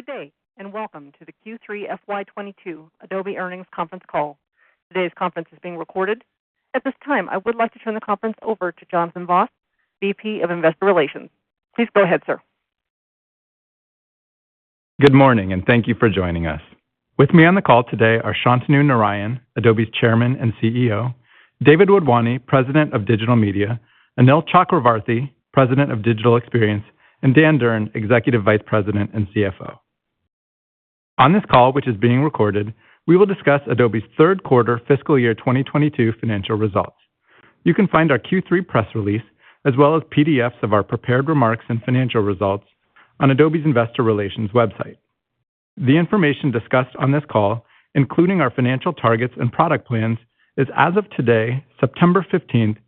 Good day, and welcome to the Q3 FY 2022 Adobe Earnings Conference Call. Today's conference is being recorded. At this time, I would like to turn the conference over to Jonathan Vaas, VP of Investor Relations. Please go ahead, sir. Good morning, and thank you for joining us. With me on the call today are Shantanu Narayen, Adobe's Chairman and CEO, David Wadhwani, President of Digital Media, Anil Chakravarthy, President of Digital Experience, and Dan Durn, Executive Vice President and CFO. On this call, which is being recorded, we will discuss Adobe's third quarter fiscal year 2022 financial results. You can find our Q3 press release, as well as PDFs of our prepared remarks and financial results on Adobe's Investor Relations website. The information discussed on this call, including our financial targets and product plans, is as of today, September fifteenth,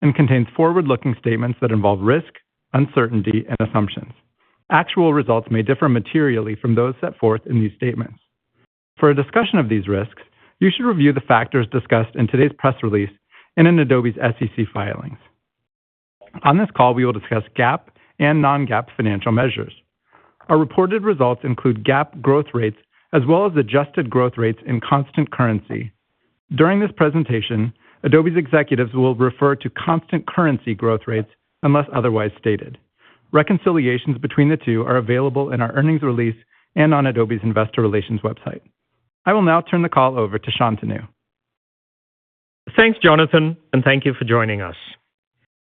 and contains forward-looking statements that involve risk, uncertainty, and assumptions. Actual results may differ materially from those set forth in these statements. For a discussion of these risks, you should review the factors discussed in today's press release and in Adobe's SEC filings. On this call, we will discuss GAAP and non-GAAP financial measures. Our reported results include GAAP growth rates as well as adjusted growth rates in constant currency. During this presentation, Adobe's executives will refer to constant currency growth rates unless otherwise stated. Reconciliations between the two are available in our earnings release and on Adobe's Investor Relations website. I will now turn the call over to Shantanu. Thanks, Jonathan, and thank you for joining us.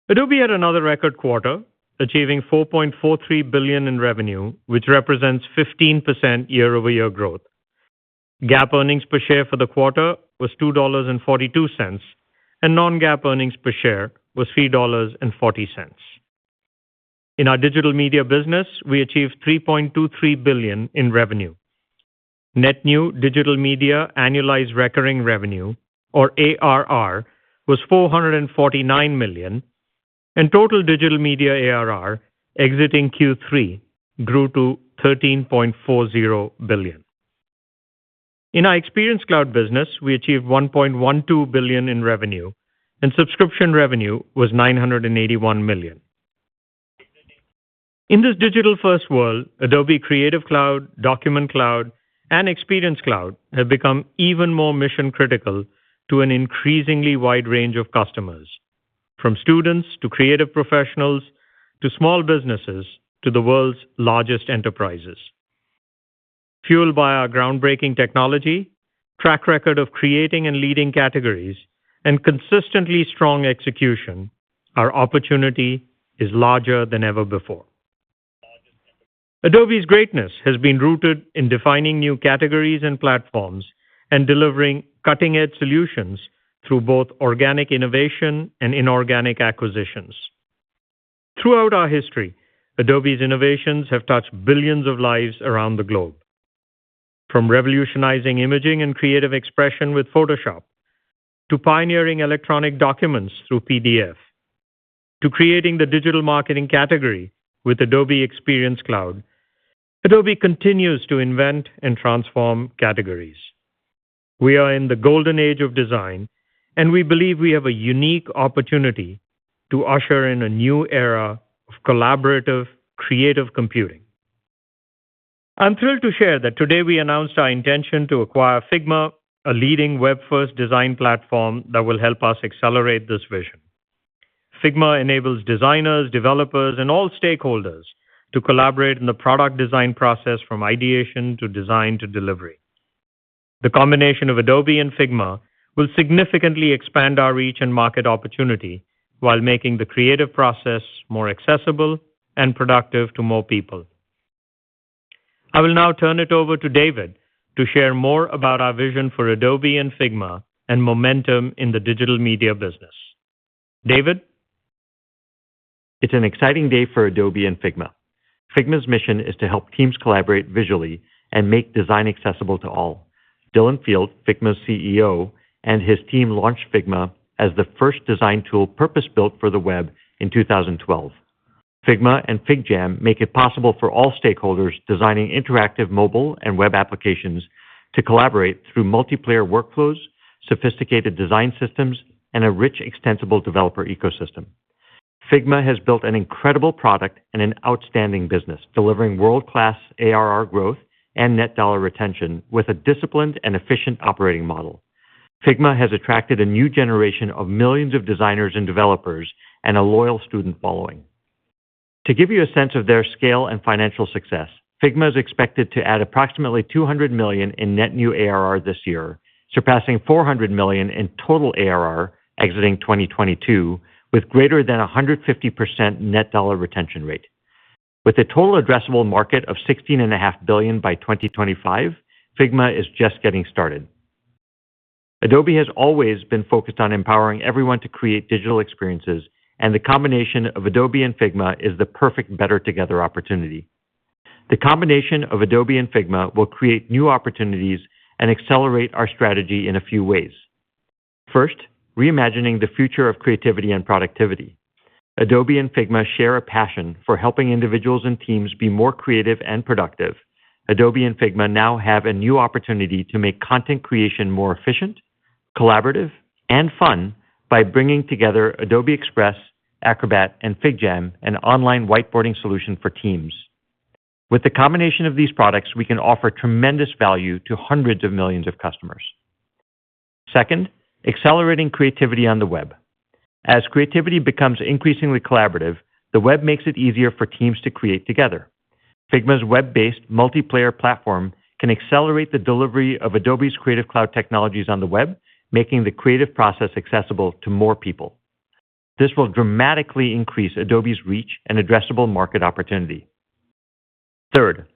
Adobe had another record quarter, achieving $4.43 billion in revenue, which represents 15% year-over-year growth. GAAP earnings per share for the quarter was $2.42, and non-GAAP earnings per share was $3.40. In our digital media business, we achieved $3.23 billion in revenue. Net new digital media annualized recurring revenue, or ARR, was $449 million, and total digital media ARR exiting Q3 grew to $13.40 billion. In our Experience Cloud business, we achieved $1.12 billion in revenue, and subscription revenue was $981 million. In this digital-first world, Adobe Creative Cloud, Document Cloud, and Experience Cloud have become even more mission-critical to an increasingly wide range of customers, from students to creative professionals, to small businesses, to the world's largest enterprises. Fueled by our groundbreaking technology, track record of creating and leading categories, and consistently strong execution, our opportunity is larger than ever before. Adobe's greatness has been rooted in defining new categories and platforms and delivering cutting-edge solutions through both organic innovation and inorganic acquisitions. Throughout our history, Adobe's innovations have touched billions of lives around the globe. From revolutionizing imaging and creative expression with Photoshop, to pioneering electronic documents through PDF, to creating the digital marketing category with Adobe Experience Cloud, Adobe continues to invent and transform categories. We are in the golden age of design, and we believe we have a unique opportunity to usher in a new era of collaborative, creative computing. I'm thrilled to share that today we announced our intention to acquire Figma, a leading web-first design platform that will help us accelerate this vision. Figma enables designers, developers, and all stakeholders to collaborate in the product design process from ideation to design to delivery. The combination of Adobe and Figma will significantly expand our reach and market opportunity while making the creative process more accessible and productive to more people. I will now turn it over to David to share more about our vision for Adobe and Figma and momentum in the digital media business. David? It's an exciting day for Adobe and Figma. Figma's mission is to help teams collaborate visually and make design accessible to all. Dylan Field, Figma's CEO, and his team launched Figma as the first design tool purpose-built for the web in 2012. Figma and FigJam make it possible for all stakeholders designing interactive mobile and web applications to collaborate through multiplayer workflows, sophisticated design systems, and a rich extensible developer ecosystem. Figma has built an incredible product and an outstanding business, delivering world-class ARR growth and net dollar retention with a disciplined and efficient operating model. Figma has attracted a new generation of millions of designers and developers and a loyal student following. To give you a sense of their scale and financial success, Figma is expected to add approximately $200 million in net new ARR this year, surpassing $400 million in total ARR exiting 2022, with greater than 150% net dollar retention rate. With a total addressable market of $16.5 billion by 2025, Figma is just getting started. Adobe has always been focused on empowering everyone to create digital experiences, and the combination of Adobe and Figma is the perfect better together opportunity. The combination of Adobe and Figma will create new opportunities and accelerate our strategy in a few ways. First, reimagining the future of creativity and productivity. Adobe and Figma share a passion for helping individuals and teams be more creative and productive. Adobe and Figma now have a new opportunity to make content creation more efficient, collaborative and fun by bringing together Adobe Express, Acrobat, and FigJam, an online whiteboarding solution for teams. With the combination of these products, we can offer tremendous value to hundreds of millions of customers. Second, accelerating creativity on the web. As creativity becomes increasingly collaborative, the web makes it easier for teams to create together. Figma's web-based multiplayer platform can accelerate the delivery of Adobe's Creative Cloud technologies on the web, making the creative process accessible to more people. This will dramatically increase Adobe's reach and addressable market opportunity. Third,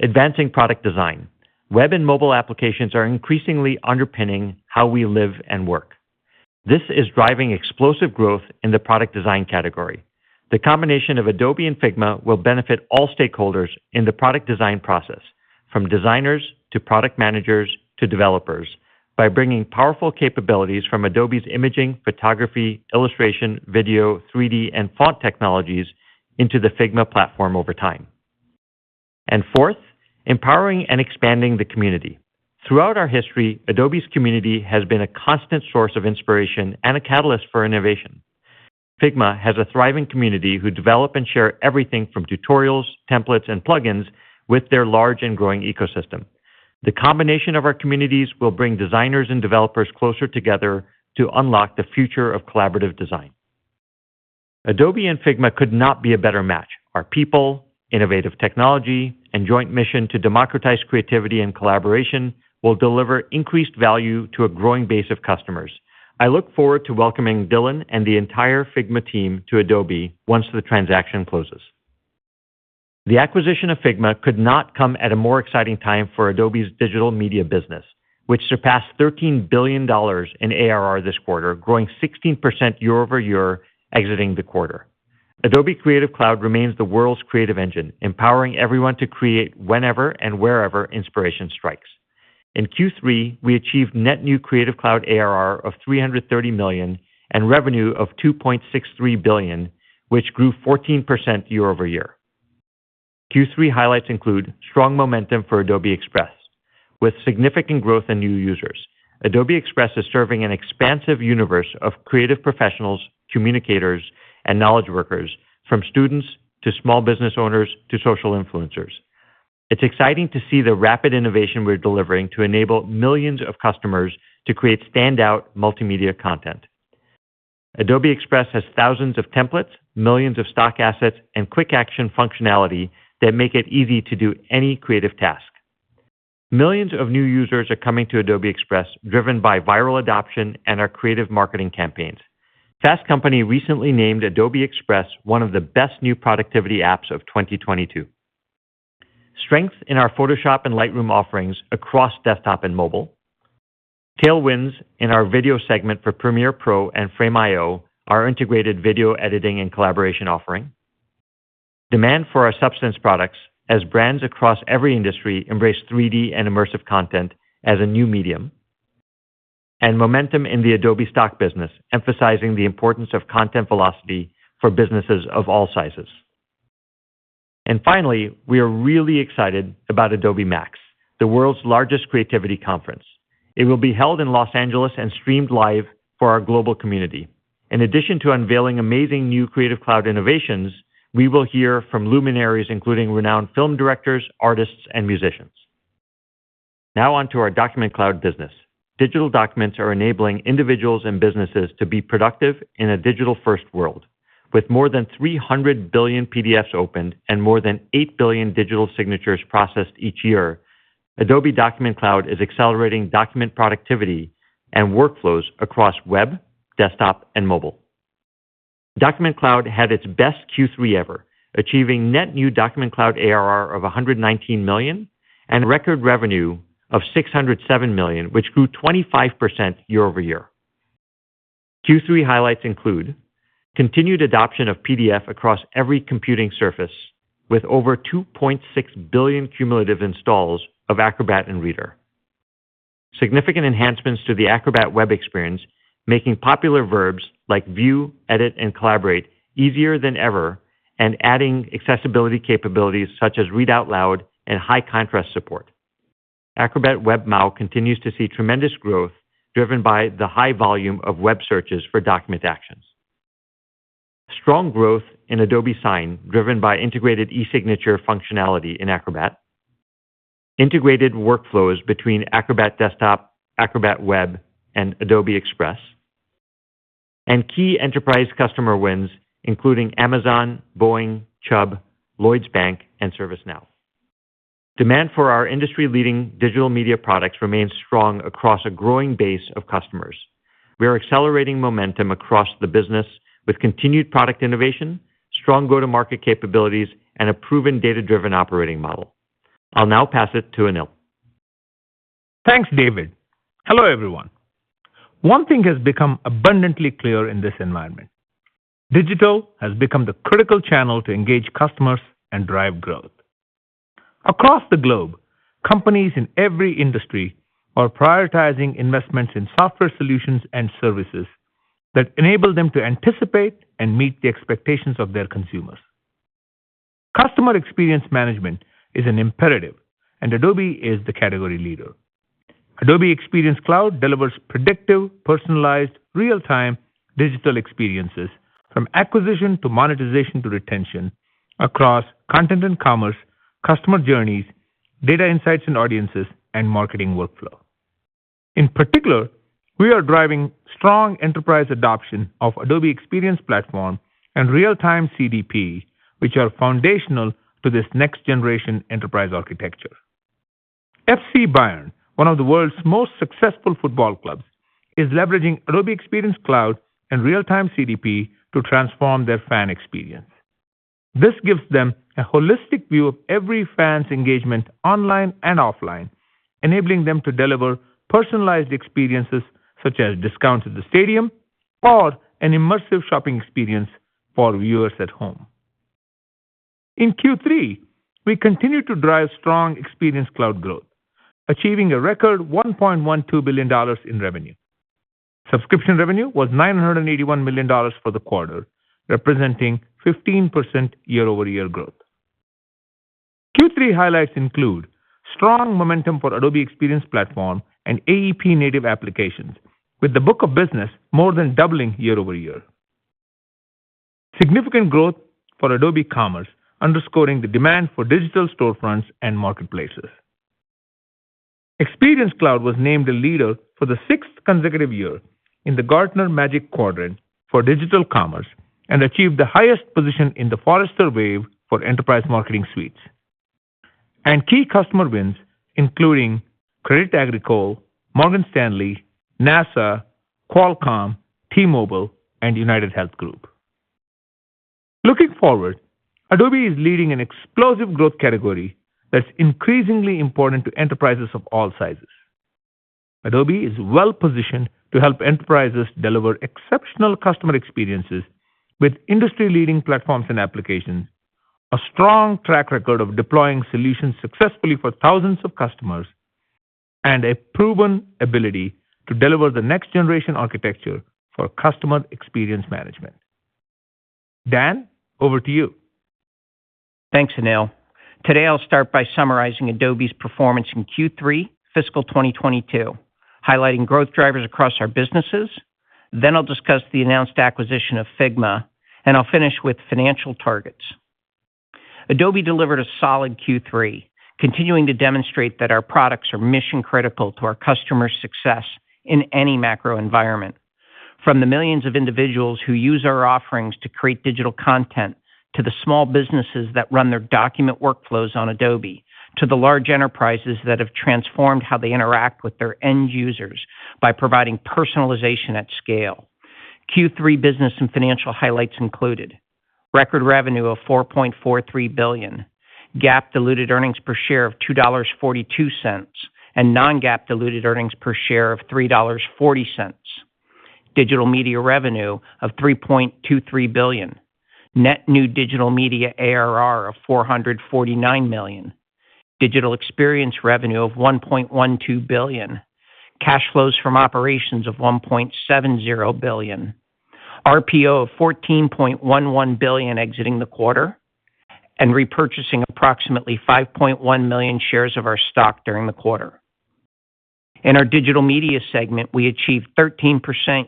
advancing product design. Web and mobile applications are increasingly underpinning how we live and work. This is driving explosive growth in the product design category. The combination of Adobe and Figma will benefit all stakeholders in the product design process, from designers to product managers to developers, by bringing powerful capabilities from Adobe's imaging, photography, illustration, video, 3D, and font technologies into the Figma platform over time. Fourth, empowering and expanding the community. Throughout our history, Adobe's community has been a constant source of inspiration and a catalyst for innovation. Figma has a thriving community who develop and share everything from tutorials, templates, and plugins with their large and growing ecosystem. The combination of our communities will bring designers and developers closer together to unlock the future of collaborative design. Adobe and Figma could not be a better match. Our people, innovative technology, and joint mission to democratize creativity and collaboration will deliver increased value to a growing base of customers. I look forward to welcoming Dylan and the entire Figma team to Adobe once the transaction closes. The acquisition of Figma could not come at a more exciting time for Adobe's digital media business, which surpassed $13 billion in ARR this quarter, growing 16% year-over-year exiting the quarter. Adobe Creative Cloud remains the world's creative engine, empowering everyone to create whenever and wherever inspiration strikes. In Q3, we achieved net new Creative Cloud ARR of $330 million and revenue of $2.63 billion, which grew 14% year-over-year. Q3 highlights include strong momentum for Adobe Express. With significant growth in new users, Adobe Express is serving an expansive universe of creative professionals, communicators, and knowledge workers, from students to small business owners to social influencers. It's exciting to see the rapid innovation we're delivering to enable millions of customers to create standout multimedia content. Adobe Express has thousands of templates, millions of stock assets, and quick action functionality that make it easy to do any creative task. Millions of new users are coming to Adobe Express, driven by viral adoption and our creative marketing campaigns. Fast Company recently named Adobe Express one of the best new productivity apps of 2022. Strength in our Photoshop and Lightroom offerings across desktop and mobile. Tailwinds in our video segment for Premiere Pro and Frame.io, our integrated video editing and collaboration offering. Demand for our Substance products as brands across every industry embrace 3D and immersive content as a new medium. Momentum in the Adobe Stock business, emphasizing the importance of content velocity for businesses of all sizes. Finally, we are really excited about Adobe MAX, the world's largest creativity conference. It will be held in Los Angeles and streamed live for our global community. In addition to unveiling amazing new Creative Cloud innovations, we will hear from luminaries, including renowned film directors, artists, and musicians. Now on to our Document Cloud business. Digital documents are enabling individuals and businesses to be productive in a digital-first world. With more than 300 billion PDFs opened and more than 8 billion digital signatures processed each year, Adobe Document Cloud is accelerating document productivity and workflows across web, desktop, and mobile. Document Cloud had its best Q3 ever, achieving net new Document Cloud ARR of $119 million and record revenue of $607 million, which grew 25% year-over-year. Q3 highlights include continued adoption of PDF across every computing surface with over 2.6 billion cumulative installs of Acrobat and Reader. Significant enhancements to the Acrobat Web experience, making popular verbs like view, edit, and collaborate easier than ever and adding accessibility capabilities such as read out loud and high contrast support. Acrobat Web MAU continues to see tremendous growth driven by the high volume of web searches for document actions. Strong growth in Adobe Sign, driven by integrated e-signature functionality in Acrobat, integrated workflows between Acrobat Desktop, Acrobat Web, and Adobe Express, and key enterprise customer wins, including Amazon, Boeing, Chubb, Lloyds Bank, and ServiceNow. Demand for our industry-leading digital media products remains strong across a growing base of customers. We are accelerating momentum across the business with continued product innovation, strong go-to-market capabilities, and a proven data-driven operating model. I'll now pass it to Anil. Thanks, David. Hello, everyone. One thing has become abundantly clear in this environment. Digital has become the critical channel to engage customers and drive growth. Across the globe, companies in every industry are prioritizing investments in software solutions and services that enable them to anticipate and meet the expectations of their consumers. Customer experience management is an imperative, and Adobe is the category leader. Adobe Experience Cloud delivers predictive, personalized, real-time digital experiences from acquisition to monetization to retention across content and commerce, customer journeys, data insights and audiences, and marketing workflow. In particular, we are driving strong enterprise adoption of Adobe Experience Platform and Real-Time CDP, which are foundational to this next-generation enterprise architecture. FC Bayern, one of the world's most successful football clubs, is leveraging Adobe Experience Cloud and Real-Time CDP to transform their fan experience. This gives them a holistic view of every fan's engagement online and offline, enabling them to deliver personalized experiences such as discounts at the stadium or an immersive shopping experience for viewers at home. In Q3, we continued to drive strong Experience Cloud growth, achieving a record $1.12 billion in revenue. Subscription revenue was $981 million for the quarter, representing 15% year-over-year growth. Q3 highlights include strong momentum for Adobe Experience Platform and AEP native applications, with the book of business more than doubling year-over-year. Significant growth for Adobe Commerce, underscoring the demand for digital storefronts and marketplaces. Experience Cloud was named a leader for the sixth consecutive year in the Gartner Magic Quadrant for Digital Commerce and achieved the highest position in the Forrester Wave for Enterprise Marketing Suites. Key customer wins, including Crédit Agricole, Morgan Stanley, NASA, Qualcomm, T-Mobile, and UnitedHealth Group. Looking forward, Adobe is leading an explosive growth category that's increasingly important to enterprises of all sizes. Adobe is well-positioned to help enterprises deliver exceptional customer experiences with industry-leading platforms and applications, a strong track record of deploying solutions successfully for thousands of customers, and a proven ability to deliver the next-generation architecture for customer experience management. Dan, over to you. Thanks, Anil. Today, I'll start by summarizing Adobe's performance in Q3 fiscal 2022, highlighting growth drivers across our businesses. I'll discuss the announced acquisition of Figma, and I'll finish with financial targets. Adobe delivered a solid Q3, continuing to demonstrate that our products are mission-critical to our customers' success in any macro environment. From the millions of individuals who use our offerings to create digital content, to the small businesses that run their document workflows on Adobe, to the large enterprises that have transformed how they interact with their end users by providing personalization at scale. Q3 business and financial highlights included record revenue of $4.43 billion, GAAP diluted earnings per share of $2.42, and non-GAAP diluted earnings per share of $3.40. Digital Media revenue of $3.23 billion. Net new Digital Media ARR of $449 million. Digital Experience revenue of $1.12 billion. Cash flows from operations of $1.70 billion. RPO of $14.11 billion exiting the quarter, and repurchasing approximately 5.1 million shares of our stock during the quarter. In our Digital Media segment, we achieved 13%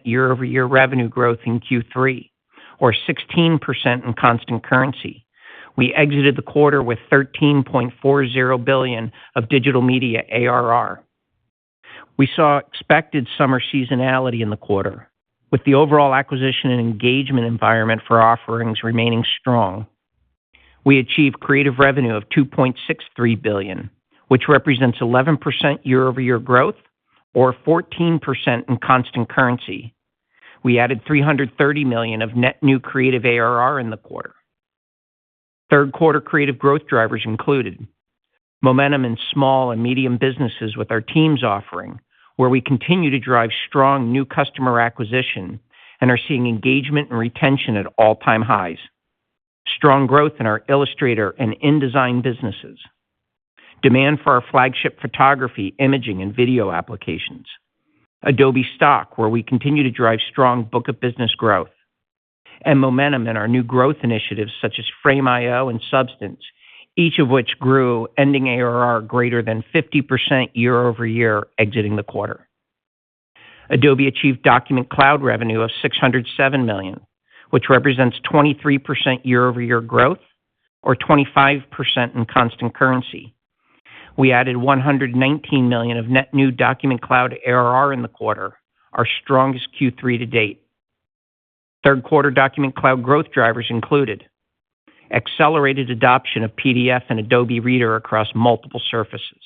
year-over-year revenue growth in Q3 or 16% in constant currency. We exited the quarter with $13.40 billion of Digital Media ARR. We saw expected summer seasonality in the quarter, with the overall acquisition and engagement environment for our offerings remaining strong. We achieved Creative revenue of $2.63 billion, which represents 11% year-over-year growth or 14% in constant currency. We added 330 million of net new Creative ARR in the quarter. Third quarter Creative growth drivers included momentum in small and medium businesses with our teams offering, where we continue to drive strong new customer acquisition and are seeing engagement and retention at all-time highs. Strong growth in our Illustrator and InDesign businesses. Demand for our flagship photography, imaging, and video applications. Adobe Stock, where we continue to drive strong book of business growth. Momentum in our new growth initiatives such as Frame.io and Substance, each of which grew ending ARR greater than 50% year-over-year exiting the quarter. Adobe achieved Document Cloud revenue of $607 million, which represents 23% year-over-year growth or 25% in constant currency. We added $119 million of net new Document Cloud ARR in the quarter, our strongest Q3 to date. Third quarter Document Cloud growth drivers included accelerated adoption of PDF and Adobe Reader across multiple surfaces.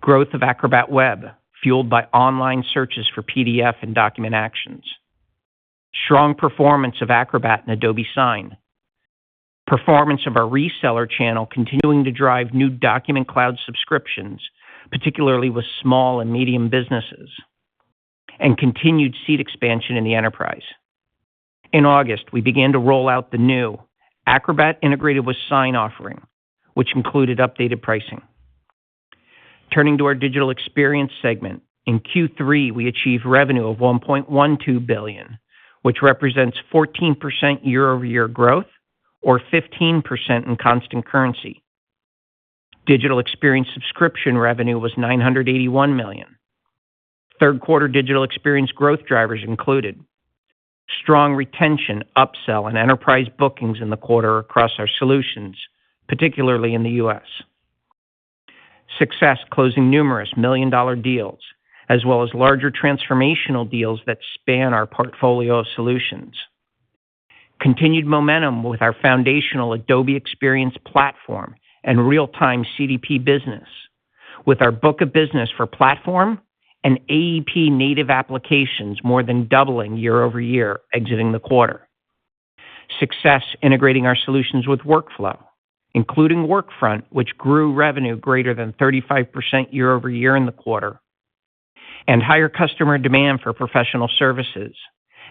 Growth of Acrobat Web, fueled by online searches for PDF and document actions. Strong performance of Acrobat and Adobe Sign. Performance of our reseller channel continuing to drive new Document Cloud subscriptions, particularly with small and medium businesses. Continued seat expansion in the enterprise. In August, we began to roll out the new Acrobat integrated with Sign offering, which included updated pricing. Turning to our digital experience segment. In Q3, we achieved revenue of $1.12 billion, which represents 14% year-over-year growth or 15% in constant currency. Digital experience subscription revenue was $981 million. Third quarter digital experience growth drivers included strong retention, upsell, and enterprise bookings in the quarter across our solutions, particularly in the U.S. Success closing numerous million-dollar deals, as well as larger transformational deals that span our portfolio of solutions. Continued momentum with our foundational Adobe Experience Platform and Real-Time CDP business with our book of business for platform and AEP native applications more than doubling year-over-year exiting the quarter. Success integrating our solutions with workflow, including Workfront, which grew revenue greater than 35% year-over-year in the quarter, and higher customer demand for professional services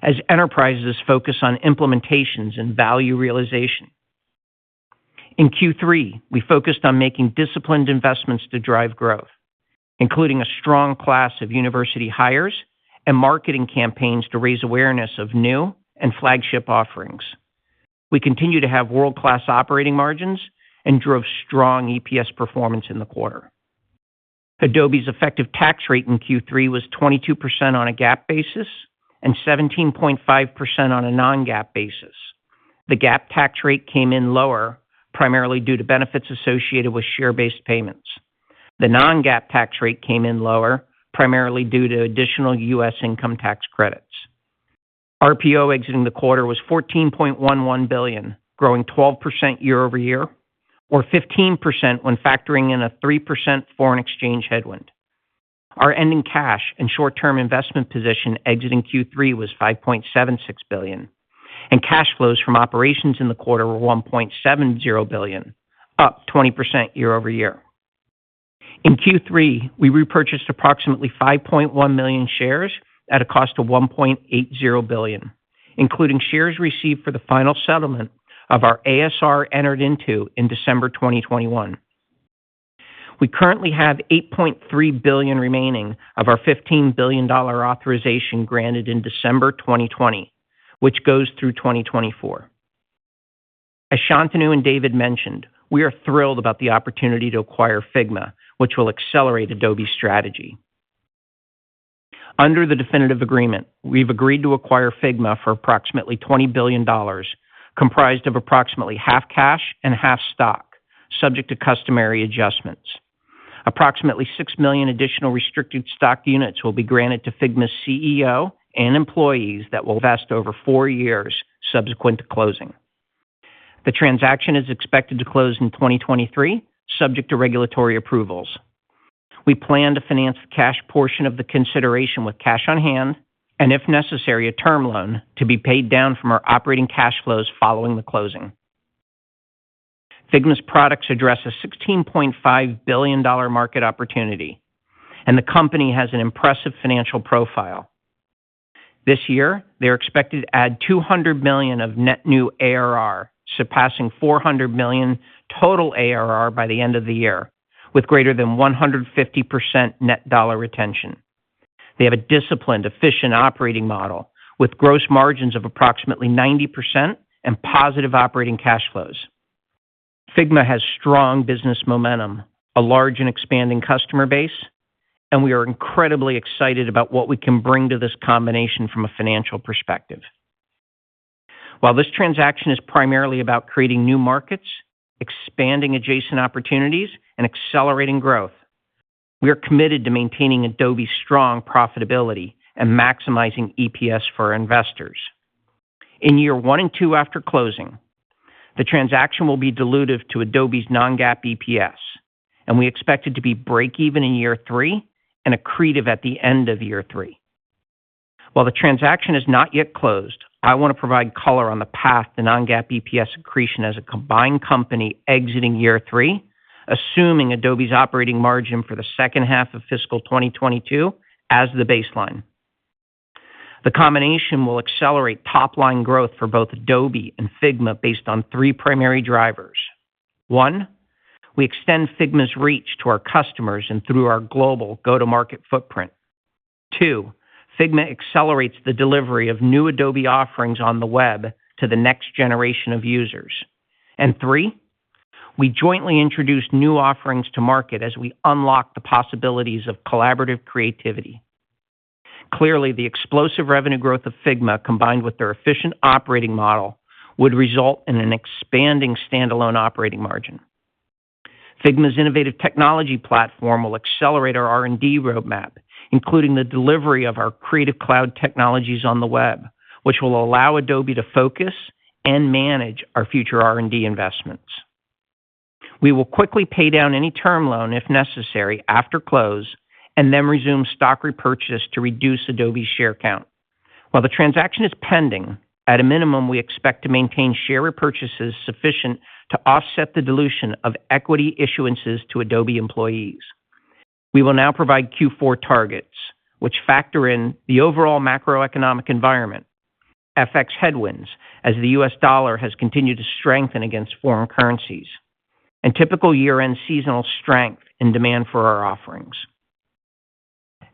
as enterprises focus on implementations and value realization. In Q3, we focused on making disciplined investments to drive growth, including a strong class of university hires and marketing campaigns to raise awareness of new and flagship offerings. We continue to have world-class operating margins and drove strong EPS performance in the quarter. Adobe's effective tax rate in Q3 was 22% on a GAAP basis and 17.5% on a non-GAAP basis. The GAAP tax rate came in lower, primarily due to benefits associated with share-based payments. The non-GAAP tax rate came in lower, primarily due to additional US income tax credits. RPO exiting the quarter was $14.11 billion, growing 12% year-over-year, or 15% when factoring in a 3% foreign exchange headwind. Our ending cash and short-term investment position exiting Q3 was $5.76 billion, and cash flows from operations in the quarter were $1.70 billion, up 20% year-over-year. In Q3, we repurchased approximately 5.1 million shares at a cost of $1.80 billion, including shares received for the final settlement of our ASR entered into in December 2021. We currently have $8.3 billion remaining of our $15 billion authorization granted in December 2020, which goes through 2024. As Shantanu and David mentioned, we are thrilled about the opportunity to acquire Figma, which will accelerate Adobe's strategy. Under the definitive agreement, we've agreed to acquire Figma for approximately $20 billion, comprised of approximately half cash and half stock, subject to customary adjustments. Approximately 6 million additional restricted stock units will be granted to Figma's CEO and employees that will vest over 4 years subsequent to closing. The transaction is expected to close in 2023, subject to regulatory approvals. We plan to finance the cash portion of the consideration with cash on hand and, if necessary, a term loan to be paid down from our operating cash flows following the closing. Figma's products address a $16.5 billion market opportunity, and the company has an impressive financial profile. This year, they are expected to add $200 million of net new ARR, surpassing $400 million total ARR by the end of the year, with greater than 150% net dollar retention. They have a disciplined, efficient operating model with gross margins of approximately 90% and positive operating cash flows. Figma has strong business momentum, a large and expanding customer base, and we are incredibly excited about what we can bring to this combination from a financial perspective. While this transaction is primarily about creating new markets, expanding adjacent opportunities, and accelerating growth, we are committed to maintaining Adobe's strong profitability and maximizing EPS for our investors. In year 1 and 2 after closing, the transaction will be dilutive to Adobe's non-GAAP EPS, and we expect it to be break even in year 3 and accretive at the end of year 3. While the transaction is not yet closed, I want to provide color on the path to non-GAAP EPS accretion as a combined company exiting year three, assuming Adobe's operating margin for the second half of fiscal 2022 as the baseline. The combination will accelerate top-line growth for both Adobe and Figma based on three primary drivers. One, we extend Figma's reach to our customers and through our global go-to-market footprint. Two, Figma accelerates the delivery of new Adobe offerings on the web to the next generation of users. Three, we jointly introduce new offerings to market as we unlock the possibilities of collaborative creativity. Clearly, the explosive revenue growth of Figma, combined with their efficient operating model, would result in an expanding standalone operating margin. Figma's innovative technology platform will accelerate our R&D roadmap, including the delivery of our Creative Cloud technologies on the web, which will allow Adobe to focus and manage our future R&D investments. We will quickly pay down any term loan, if necessary, after close and then resume stock repurchase to reduce Adobe's share count. While the transaction is pending, at a minimum, we expect to maintain share repurchases sufficient to offset the dilution of equity issuances to Adobe employees. We will now provide Q4 targets, which factor in the overall macroeconomic environment, FX headwinds as the U.S. dollar has continued to strengthen against foreign currencies, and typical year-end seasonal strength and demand for our offerings.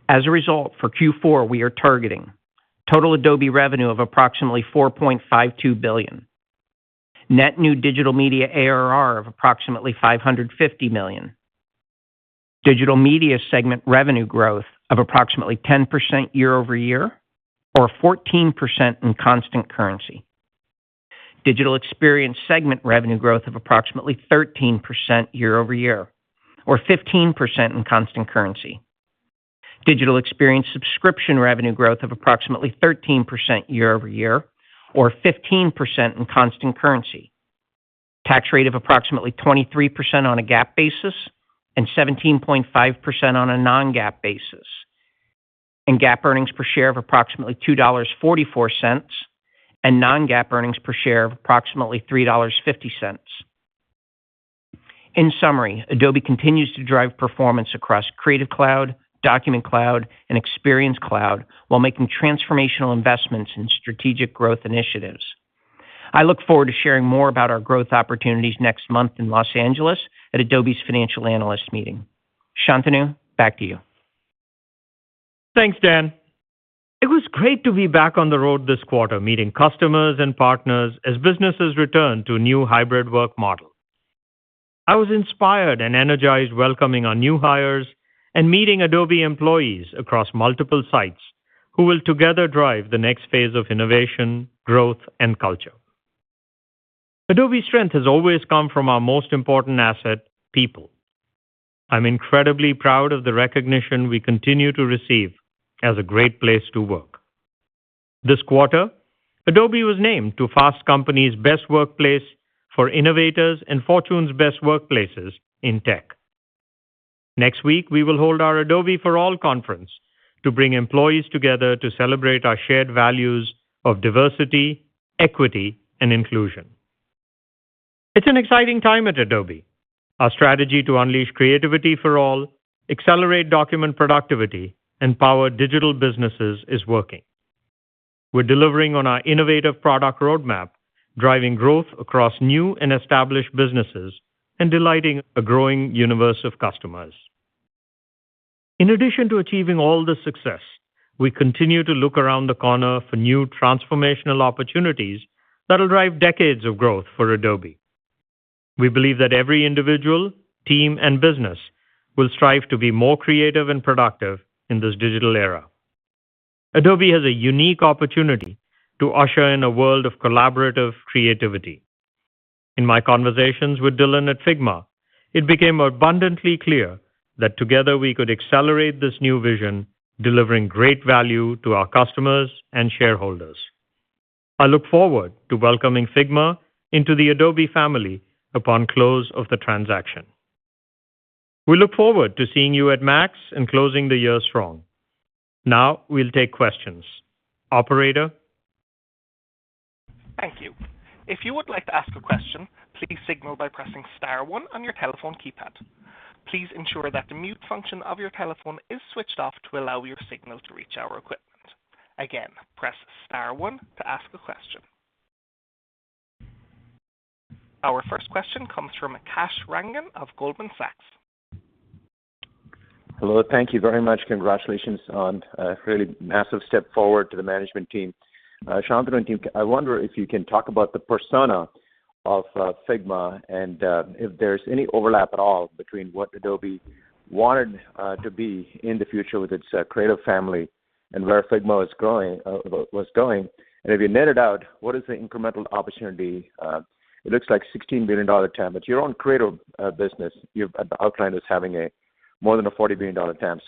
As a result, for Q4, we are targeting total Adobe revenue of approximately $4.52 billion, net new Digital Media ARR of approximately $550 million. Digital Media segment revenue growth of approximately 10% year-over-year or 14% in constant currency. Digital Experience segment revenue growth of approximately 13% year-over-year or 15% in constant currency. Digital Experience subscription revenue growth of approximately 13% year-over-year or 15% in constant currency. Tax rate of approximately 23% on a GAAP basis and 17.5% on a non-GAAP basis. GAAP earnings per share of approximately $2.44 and non-GAAP earnings per share of approximately $3.50. In summary, Adobe continues to drive performance across Creative Cloud, Document Cloud and Experience Cloud while making transformational investments in strategic growth initiatives. I look forward to sharing more about our growth opportunities next month in Los Angeles at Adobe's Financial Analyst Meeting. Shantanu, back to you. Thanks, Dan. It was great to be back on the road this quarter, meeting customers and partners as businesses return to new hybrid work models. I was inspired and energized welcoming our new hires and meeting Adobe employees across multiple sites who will together drive the next phase of innovation, growth and culture. Adobe's strength has always come from our most important asset, people. I'm incredibly proud of the recognition we continue to receive as a great place to work. This quarter, Adobe was named to Fast Company's Best Workplace for Innovators and Fortune's Best Workplaces in Tech. Next week, we will hold our Adobe for All conference to bring employees together to celebrate our shared values of diversity, equity, and inclusion. It's an exciting time at Adobe. Our strategy to unleash creativity for all, accelerate document productivity, and power digital businesses is working. We're delivering on our innovative product roadmap, driving growth across new and established businesses, and delighting a growing universe of customers. In addition to achieving all this success, we continue to look around the corner for new transformational opportunities that'll drive decades of growth for Adobe. We believe that every individual, team, and business will strive to be more creative and productive in this digital era. Adobe has a unique opportunity to usher in a world of collaborative creativity. In my conversations with Dylan at Figma, it became abundantly clear that together we could accelerate this new vision, delivering great value to our customers and shareholders. I look forward to welcoming Figma into the Adobe family upon close of the transaction. We look forward to seeing you at MAX and closing the year strong. Now we'll take questions. Operator? Thank you. If you would like to ask a question, please signal by pressing star one on your telephone keypad. Please ensure that the mute function of your telephone is switched off to allow your signal to reach our equipment. Again, press star one to ask a question. Our first question comes from Kash Rangan of Goldman Sachs. Hello. Thank you very much. Congratulations on a really massive step forward to the management team. Shantanu and team, I wonder if you can talk about the persona of Figma and if there's any overlap at all between what Adobe wanted to be in the future with its creative family and where Figma was going. If you net it out, what is the incremental opportunity? It looks like $16 billion TAM, but your own creative business, you've outlined as having more than a $40 billion TAM.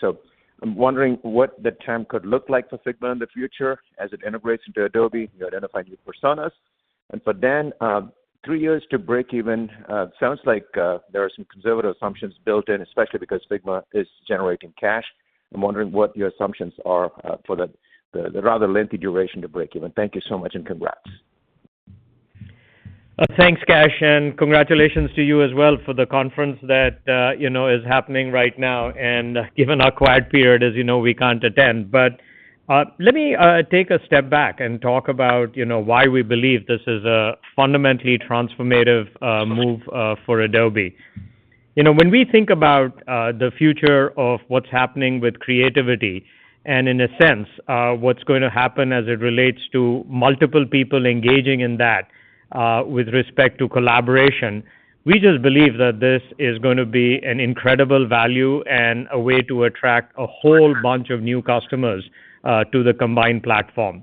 I'm wondering what the TAM could look like for Figma in the future as it integrates into Adobe, you identified new personas. For Dan, 3 years to break even sounds like there are some conservative assumptions built in, especially because Figma is generating cash. I'm wondering what your assumptions are, for the rather lengthy duration to break even. Thank you so much, and congrats. Thanks, Kash, and congratulations to you as well for the conference that, you know, is happening right now. Given our quiet period, as you know, we can't attend. Let me take a step back and talk about, you know, why we believe this is a fundamentally transformative move for Adobe. You know, when we think about the future of what's happening with creativity and in a sense what's going to happen as it relates to multiple people engaging in that with respect to collaboration, we just believe that this is going to be an incredible value and a way to attract a whole bunch of new customers to the combined platform.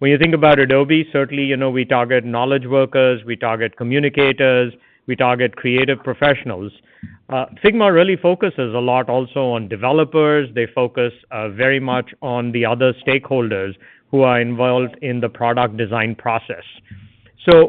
When you think about Adobe, certainly, you know, we target knowledge workers, we target communicators, we target creative professionals. Figma really focuses a lot also on developers. They focus very much on the other stakeholders who are involved in the product design process.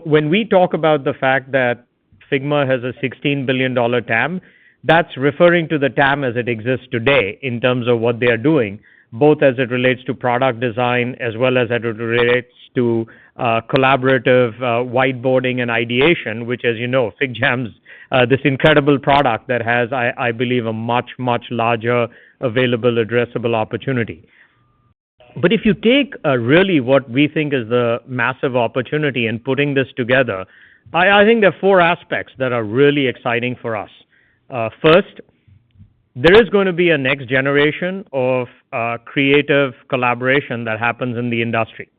When we talk about the fact that Figma has a $16 billion TAM, that's referring to the TAM as it exists today in terms of what they are doing, both as it relates to product design as well as as it relates to collaborative whiteboarding and ideation, which, as you know, FigJam's this incredible product that has, I believe, a much, much larger available addressable opportunity. If you take really what we think is the massive opportunity in putting this together, I think there are four aspects that are really exciting for us. First, there is going to be a next generation of creative collaboration that happens in the industry.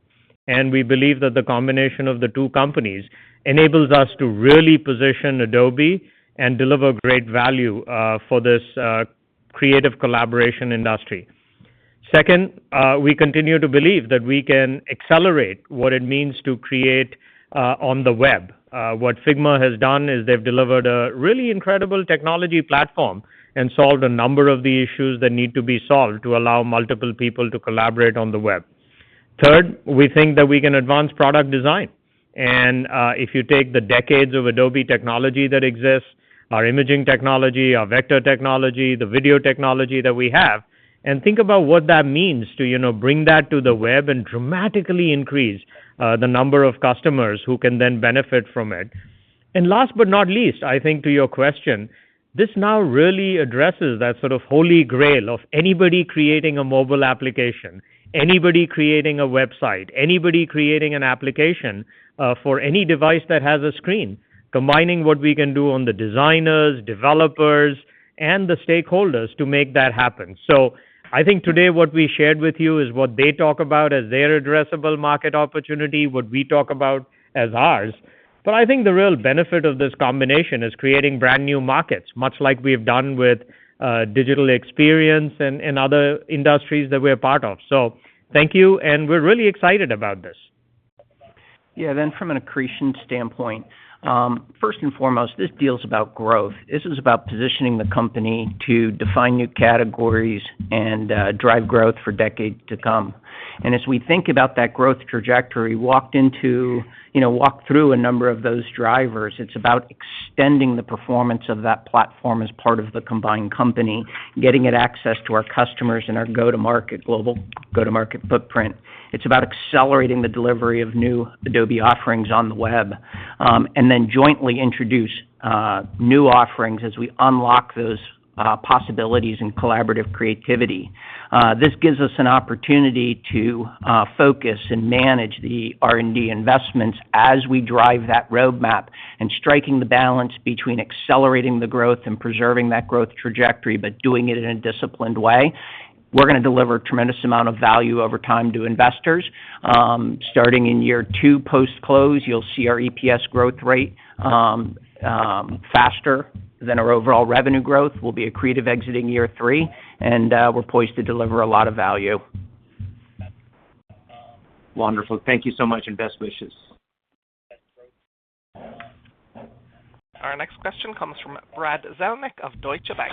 We believe that the combination of the two companies enables us to really position Adobe and deliver great value for this creative collaboration industry. Second, we continue to believe that we can accelerate what it means to create on the web. What Figma has done is they've delivered a really incredible technology platform and solved a number of the issues that need to be solved to allow multiple people to collaborate on the web. Third, we think that we can advance product design. If you take the decades of Adobe technology that exists, our imaging technology, our vector technology, the video technology that we have, and think about what that means to, you know, bring that to the web and dramatically increase the number of customers who can then benefit from it. Last but not least, I think to your question, this now really addresses that sort of holy grail of anybody creating a mobile application, anybody creating a website, anybody creating an application, for any device that has a screen, combining what we can do on the designers, developers, and the stakeholders to make that happen. I think today what we shared with you is what they talk about as their addressable market opportunity, what we talk about as ours. I think the real benefit of this combination is creating brand new markets, much like we have done with digital experience and other industries that we're part of. Thank you, and we're really excited about this. Yeah. From an accretion standpoint, first and foremost, this deal's about growth. This is about positioning the company to define new categories and drive growth for decades to come. As we think about that growth trajectory, you know, walked through a number of those drivers, it's about extending the performance of that platform as part of the combined company, getting it access to our customers and our global go-to-market footprint. It's about accelerating the delivery of new Adobe offerings on the web and then jointly introduce new offerings as we unlock those possibilities in collaborative creativity. This gives us an opportunity to focus and manage the R&D investments as we drive that roadmap and striking the balance between accelerating the growth and preserving that growth trajectory, but doing it in a disciplined way. We're gonna deliver a tremendous amount of value over time to investors. Starting in year two post-close, you'll see our EPS growth rate faster than our overall revenue growth. We'll be accretive exiting year three, and we're poised to deliver a lot of value. Wonderful. Thank you so much, and best wishes. Our next question comes from Brad Zelnick of Deutsche Bank.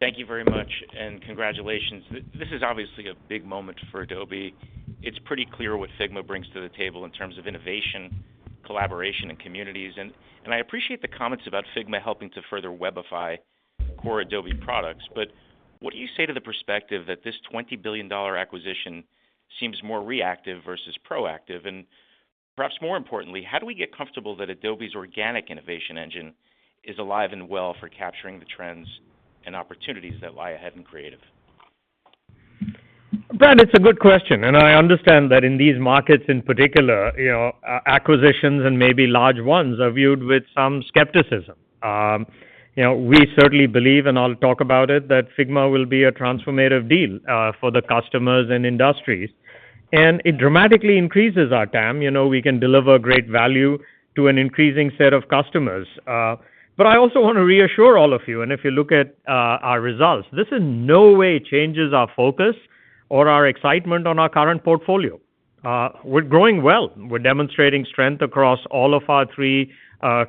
Thank you very much, and congratulations. This is obviously a big moment for Adobe. It's pretty clear what Figma brings to the table in terms of innovation, collaboration, and communities. I appreciate the comments about Figma helping to further webify core Adobe products. What do you say to the perspective that this $20 billion acquisition seems more reactive versus proactive? Perhaps more importantly, how do we get comfortable that Adobe's organic innovation engine is alive and well for capturing the trends and opportunities that lie ahead in creative? Brad, it's a good question, and I understand that in these markets in particular, you know, acquisitions and maybe large ones are viewed with some skepticism. You know, we certainly believe, and I'll talk about it, that Figma will be a transformative deal for the customers and industries. It dramatically increases our TAM. You know, we can deliver great value to an increasing set of customers. I also wanna reassure all of you, and if you look at our results, this in no way changes our focus or our excitement on our current portfolio. We're growing well. We're demonstrating strength across all of our three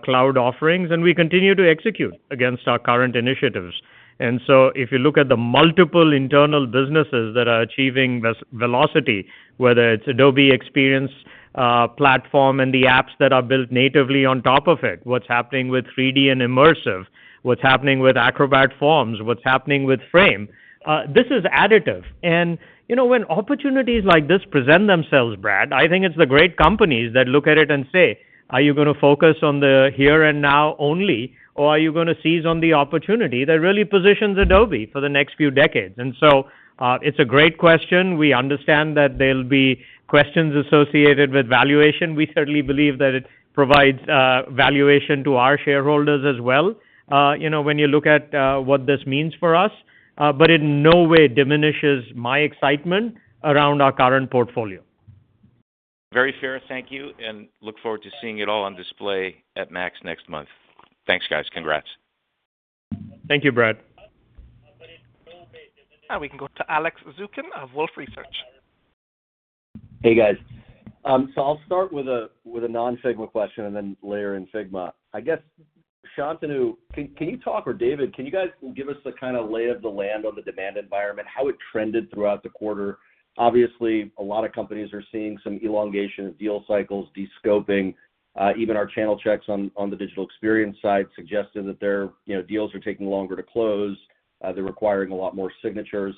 cloud offerings, and we continue to execute against our current initiatives. If you look at the multiple internal businesses that are achieving velocity, whether it's Adobe Experience Platform and the apps that are built natively on top of it, what's happening with 3D and immersive, what's happening with Acrobat forms, what's happening with Frame.io, this is additive. You know, when opportunities like this present themselves, Brad, I think it's the great companies that look at it and say, "Are you gonna focus on the here and now only, or are you gonna seize on the opportunity that really positions Adobe for the next few decades?" It's a great question. We understand that there'll be questions associated with valuation. We certainly believe that it provides valuation to our shareholders as well, you know, when you look at what this means for us. It in no way diminishes my excitement around our current portfolio. Very fair. Thank you, and look forward to seeing it all on display at MAX next month. Thanks, guys. Congrats. Thank you, Brad. Now we can go to Alex Zukin of Wolfe Research. Hey, guys. I'll start with a non-Figma question and then layer in Figma. I guess, Shantanu, can you talk, or David, can you guys give us the kind of lay of the land on the demand environment, how it trended throughout the quarter? Obviously, a lot of companies are seeing some elongation of deal cycles, de-scoping. Even our channel checks on the digital experience side suggested that their you know deals are taking longer to close. They're requiring a lot more signatures.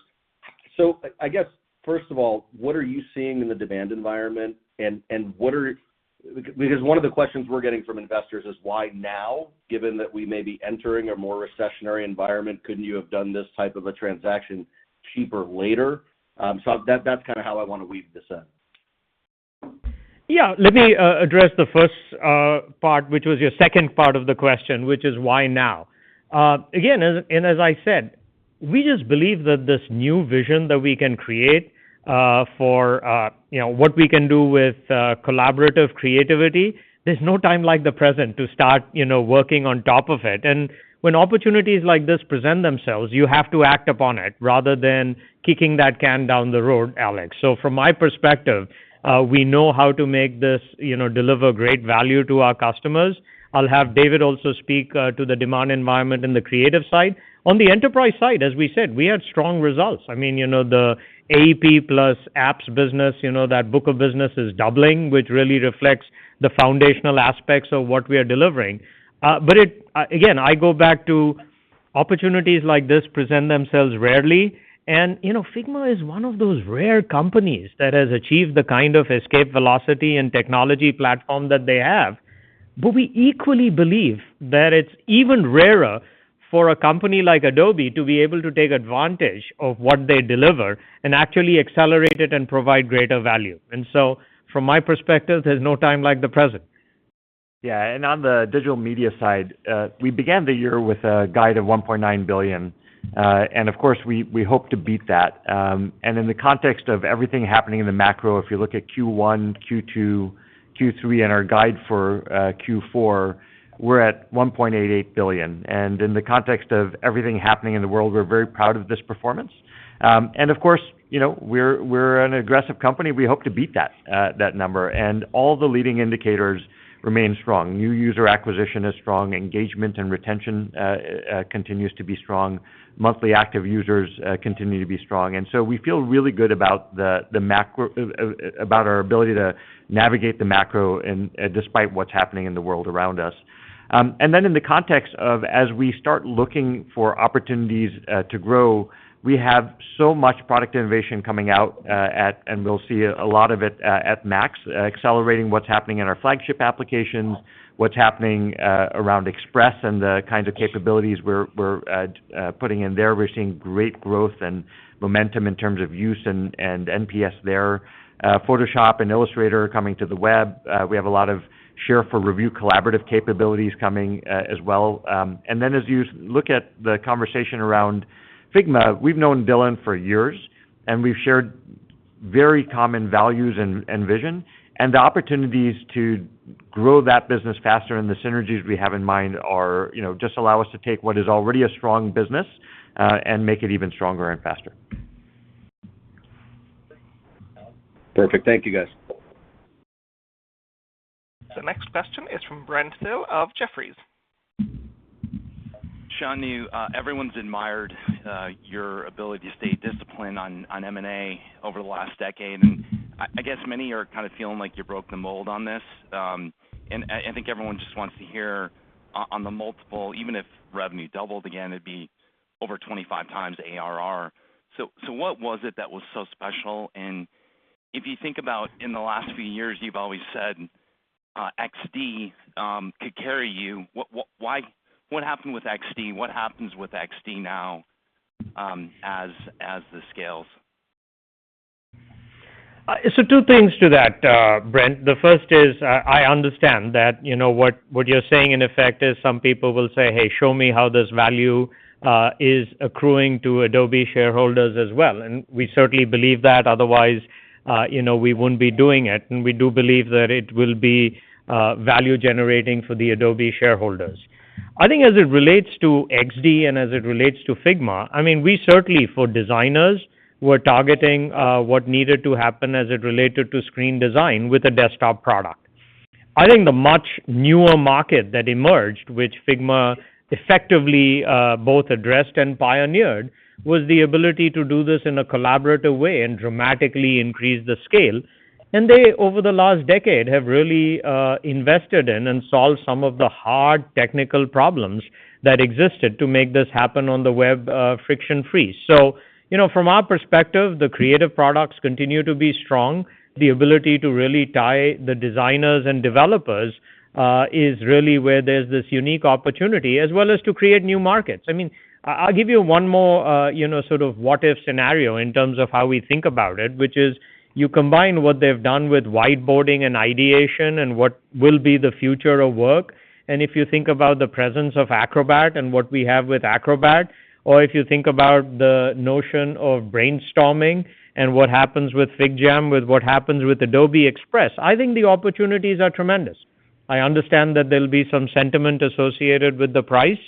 I guess, first of all, what are you seeing in the demand environment and what are? Because one of the questions we're getting from investors is why now, given that we may be entering a more recessionary environment, couldn't you have done this type of a transaction cheaper later? That's kind of how I want to weave this in. Yeah. Let me address the first part, which was your second part of the question, which is why now? Again, as I said, we just believe that this new vision that we can create for you know what we can do with collaborative creativity. There's no time like the present to start you know working on top of it. When opportunities like this present themselves, you have to act upon it rather than kicking that can down the road, Alex. From my perspective, we know how to make this you know deliver great value to our customers. I'll have David also speak to the demand environment in the creative side. On the enterprise side, as we said, we had strong results. I mean, you know, the AEP plus apps business, you know, that book of business is doubling, which really reflects the foundational aspects of what we are delivering. Again, I go back to opportunities like this present themselves rarely. You know, Figma is one of those rare companies that has achieved the kind of escape velocity and technology platform that they have. We equally believe that it's even rarer for a company like Adobe to be able to take advantage of what they deliver and actually accelerate it and provide greater value. From my perspective, there's no time like the present. Yeah. On the digital media side, we began the year with a guide of $1.9 billion. Of course, we hope to beat that. In the context of everything happening in the macro, if you look at Q1, Q2, Q3, and our guide for Q4, we're at $1.88 billion. In the context of everything happening in the world, we're very proud of this performance. Of course, you know, we're an aggressive company, we hope to beat that number. All the leading indicators remain strong. New user acquisition is strong. Engagement and retention continues to be strong. Monthly active users continue to be strong. We feel really good about our ability to navigate the macro and despite what's happening in the world around us. In the context of as we start looking for opportunities to grow, we have so much product innovation coming out, and we'll see a lot of it at Max, accelerating what's happening in our flagship applications, what's happening around Express and the kinds of capabilities we're putting in there. We're seeing great growth and momentum in terms of use and NPS there. Photoshop and Illustrator are coming to the web. We have a lot of Share for Review collaborative capabilities coming as well. As you look at the conversation around Figma, we've known Dylan for years, and we've shared very common values and vision. The opportunities to grow that business faster and the synergies we have in mind are, you know, just allow us to take what is already a strong business, and make it even stronger and faster. Perfect. Thank you, guys. Next question is from Brent Thill of Jefferies. Shantanu, everyone's admired your ability to stay disciplined on M&A over the last decade. I guess many are kind of feeling like you broke the mold on this. I think everyone just wants to hear on the multiple, even if revenue doubled again, it'd be over 25x ARR. What was it that was so special? If you think about in the last few years, you've always said XD could carry you. What happened with XD? What happens with XD now, as this scales? Two things to that, Brent. The first is, I understand that, you know, what you're saying, in effect, is some people will say, "Hey, show me how this value is accruing to Adobe shareholders as well." We certainly believe that, otherwise, you know, we wouldn't be doing it. We do believe that it will be value-generating for the Adobe shareholders. I think as it relates to XD and as it relates to Figma, I mean, we certainly, for designers, were targeting what needed to happen as it related to screen design with a desktop product. I think the much newer market that emerged, which Figma effectively both addressed and pioneered, was the ability to do this in a collaborative way and dramatically increase the scale. They, over the last decade, have really invested in and solved some of the hard technical problems that existed to make this happen on the web, friction-free. You know, from our perspective, the creative products continue to be strong. The ability to really tie the designers and developers is really where there's this unique opportunity, as well as to create new markets. I mean, I'll give you one more, you know, sort of what if scenario in terms of how we think about it, which is you combine what they've done with whiteboarding and ideation and what will be the future of work. If you think about the presence of Acrobat and what we have with Acrobat, or if you think about the notion of brainstorming and what happens with FigJam, with what happens with Adobe Express, I think the opportunities are tremendous. I understand that there'll be some sentiment associated with the price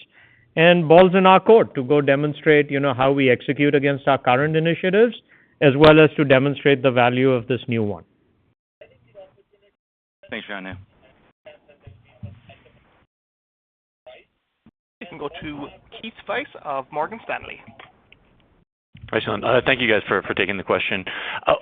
and ball's in our court to go demonstrate, you know, how we execute against our current initiatives, as well as to demonstrate the value of this new one. Thanks, Shantanu. We can go to Keith Weiss of Morgan Stanley. Hi, Shantanu. Thank you guys for taking the question.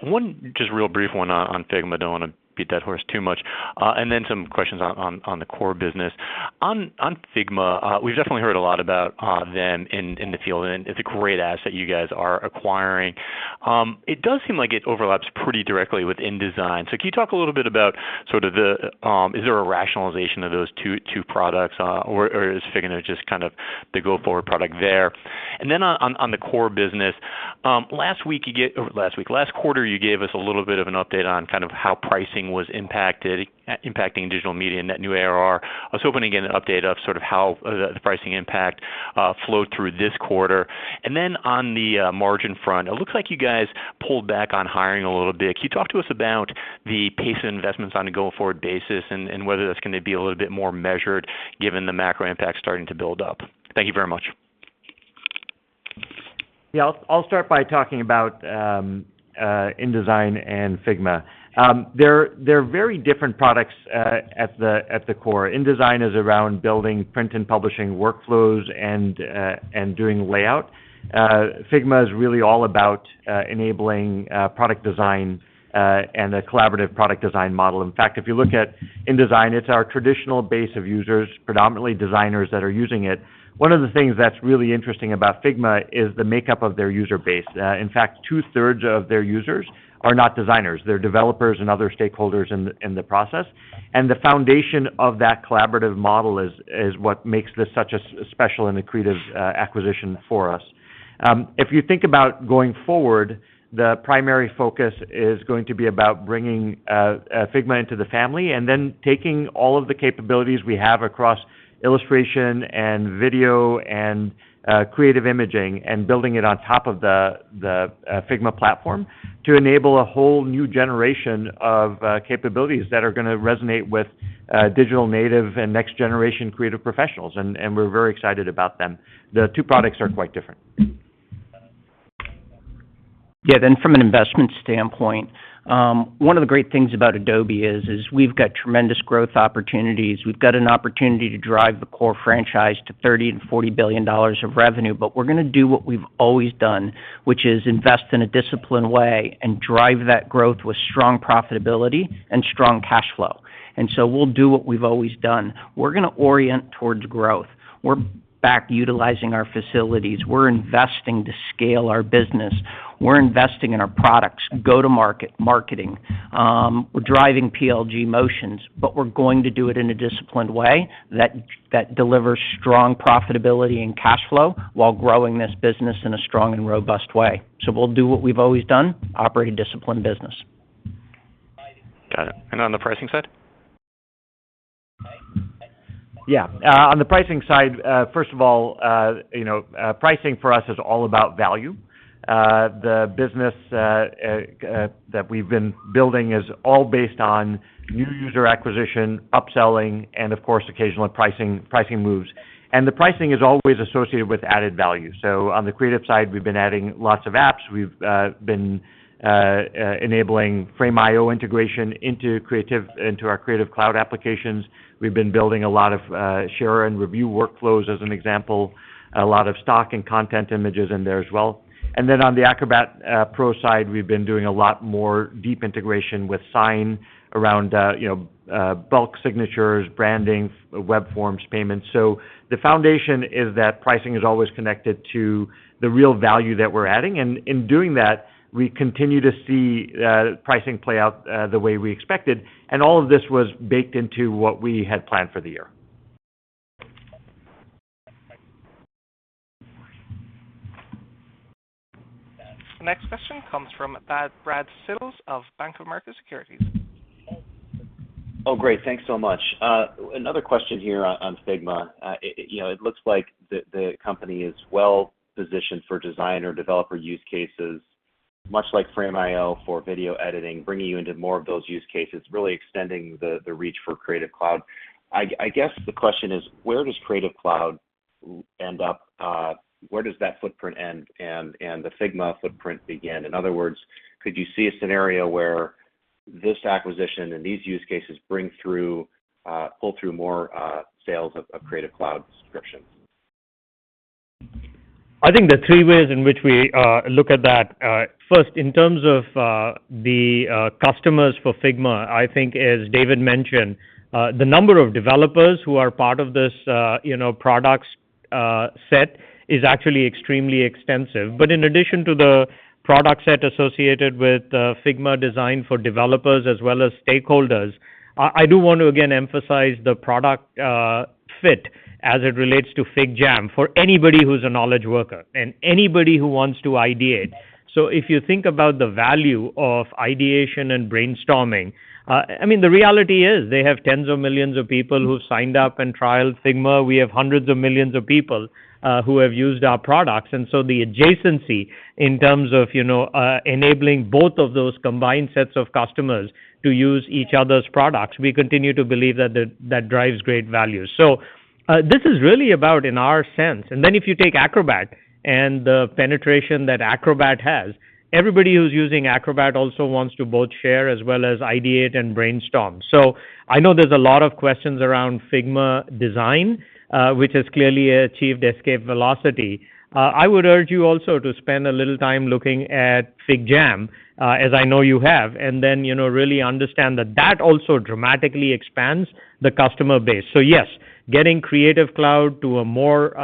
One just real brief one on Figma. I don't want to beat that horse too much. And then some questions on the core business. On Figma, we've definitely heard a lot about them in the field, and it's a great asset you guys are acquiring. It does seem like it overlaps pretty directly with InDesign. So can you talk a little bit about sort of the, is there a rationalization of those two products, or is Figma just kind of the go forward product there? And then on the core business, last quarter, you gave us a little bit of an update on kind of how pricing was impacting digital media net new ARR. I was hoping to get an update of sort of how the pricing impact flowed through this quarter. On the margin front, it looks like you guys pulled back on hiring a little bit. Can you talk to us about the pace of investments on a go-forward basis and whether that's gonna be a little bit more measured given the macro impact starting to build up? Thank you very much. Yeah. I'll start by talking about InDesign and Figma. They're very different products at the core. InDesign is around building print and publishing workflows and doing layout. Figma is really all about enabling product design and a collaborative product design model. In fact, if you look at InDesign, it's our traditional base of users, predominantly designers that are using it. One of the things that's really interesting about Figma is the makeup of their user base. In fact, two-thirds of their users are not designers. They're developers and other stakeholders in the process. The foundation of that collaborative model is what makes this such a special and accretive acquisition for us. If you think about going forward, the primary focus is going to be about bringing Figma into the family and then taking all of the capabilities we have across illustration and video and creative imaging and building it on top of the Figma platform to enable a whole new generation of capabilities that are gonna resonate with digital native and next generation creative professionals, and we're very excited about them. The two products are quite different. Yeah. From an investment standpoint, one of the great things about Adobe is we've got tremendous growth opportunities. We've got an opportunity to drive the core franchise to $30 billion-$40 billion of revenue, but we're gonna do what we've always done, which is invest in a disciplined way and drive that growth with strong profitability and strong cash flow. We'll do what we've always done. We're gonna orient towards growth. We're back utilizing our facilities. We're investing to scale our business. We're investing in our products, go-to-market marketing. We're driving PLG motions, but we're going to do it in a disciplined way that delivers strong profitability and cash flow while growing this business in a strong and robust way. We'll do what we've always done, operate a disciplined business. Got it. On the pricing side? Yeah. On the pricing side, first of all, you know, pricing for us is all about value. The business that we've been building is all based on new user acquisition, upselling, and of course, occasional pricing moves. The pricing is always associated with added value. On the creative side, we've been adding lots of apps. We've been enabling Frame.io integration into our Creative Cloud applications. We've been building a lot of share and review workflows as an example, a lot of stock and content images in there as well. Then on the Acrobat Pro side, we've been doing a lot more deep integration with Sign around, you know, bulk signatures, branding, web forms, payments. The foundation is that pricing is always connected to the real value that we're adding. In doing that, we continue to see pricing play out the way we expected. All of this was baked into what we had planned for the year. The next question comes from Brad Sills of Bank of America Securities. Oh, great. Thanks so much. Another question here on Figma. You know, it looks like the company is well-positioned for designer/developer use cases, much like Frame.io for video editing, bringing you into more of those use cases, really extending the reach for Creative Cloud. I guess the question is, where does Creative Cloud end up? Where does that footprint end and the Figma footprint begin? In other words, could you see a scenario where this acquisition and these use cases bring through pull through more sales of Creative Cloud subscriptions? I think there are three ways in which we look at that. First, in terms of the customers for Figma, I think as David mentioned, the number of developers who are part of this, you know, product set is actually extremely extensive. In addition to the product set associated with Figma designed for developers as well as stakeholders, I do want to again emphasize the product fit as it relates to FigJam for anybody who's a knowledge worker and anybody who wants to ideate. If you think about the value of ideation and brainstorming, I mean, the reality is they have tens of millions of people who've signed up and trialed Figma. We have hundreds of millions of people who have used our products. The adjacency in terms of, you know, enabling both of those combined sets of customers to use each other's products, we continue to believe that that drives great value. This is really about in our sense. If you take Acrobat and the penetration that Acrobat has, everybody who's using Acrobat also wants to both share as well as ideate and brainstorm. I know there's a lot of questions around Figma design, which has clearly achieved escape velocity. I would urge you also to spend a little time looking at FigJam, as I know you have, and then, you know, really understand that that also dramatically expands the customer base. Yes, getting Creative Cloud to a more,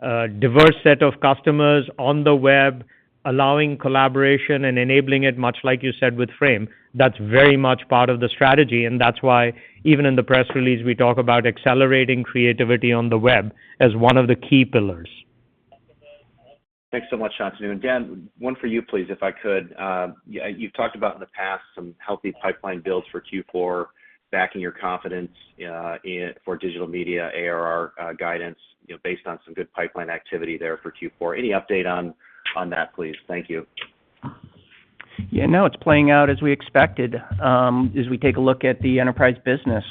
diverse set of customers on the web, allowing collaboration and enabling it, much like you said, with Frame, that's very much part of the strategy, and that's why even in the press release, we talk about accelerating creativity on the web as one of the key pillars. Thanks so much, Shantanu. Dan, one for you, please, if I could. You've talked about in the past some healthy pipeline builds for Q4, backing your confidence for digital media ARR guidance, you know, based on some good pipeline activity there for Q4. Any update on that, please? Thank you. Yeah. No, it's playing out as we expected, as we take a look at the enterprise business,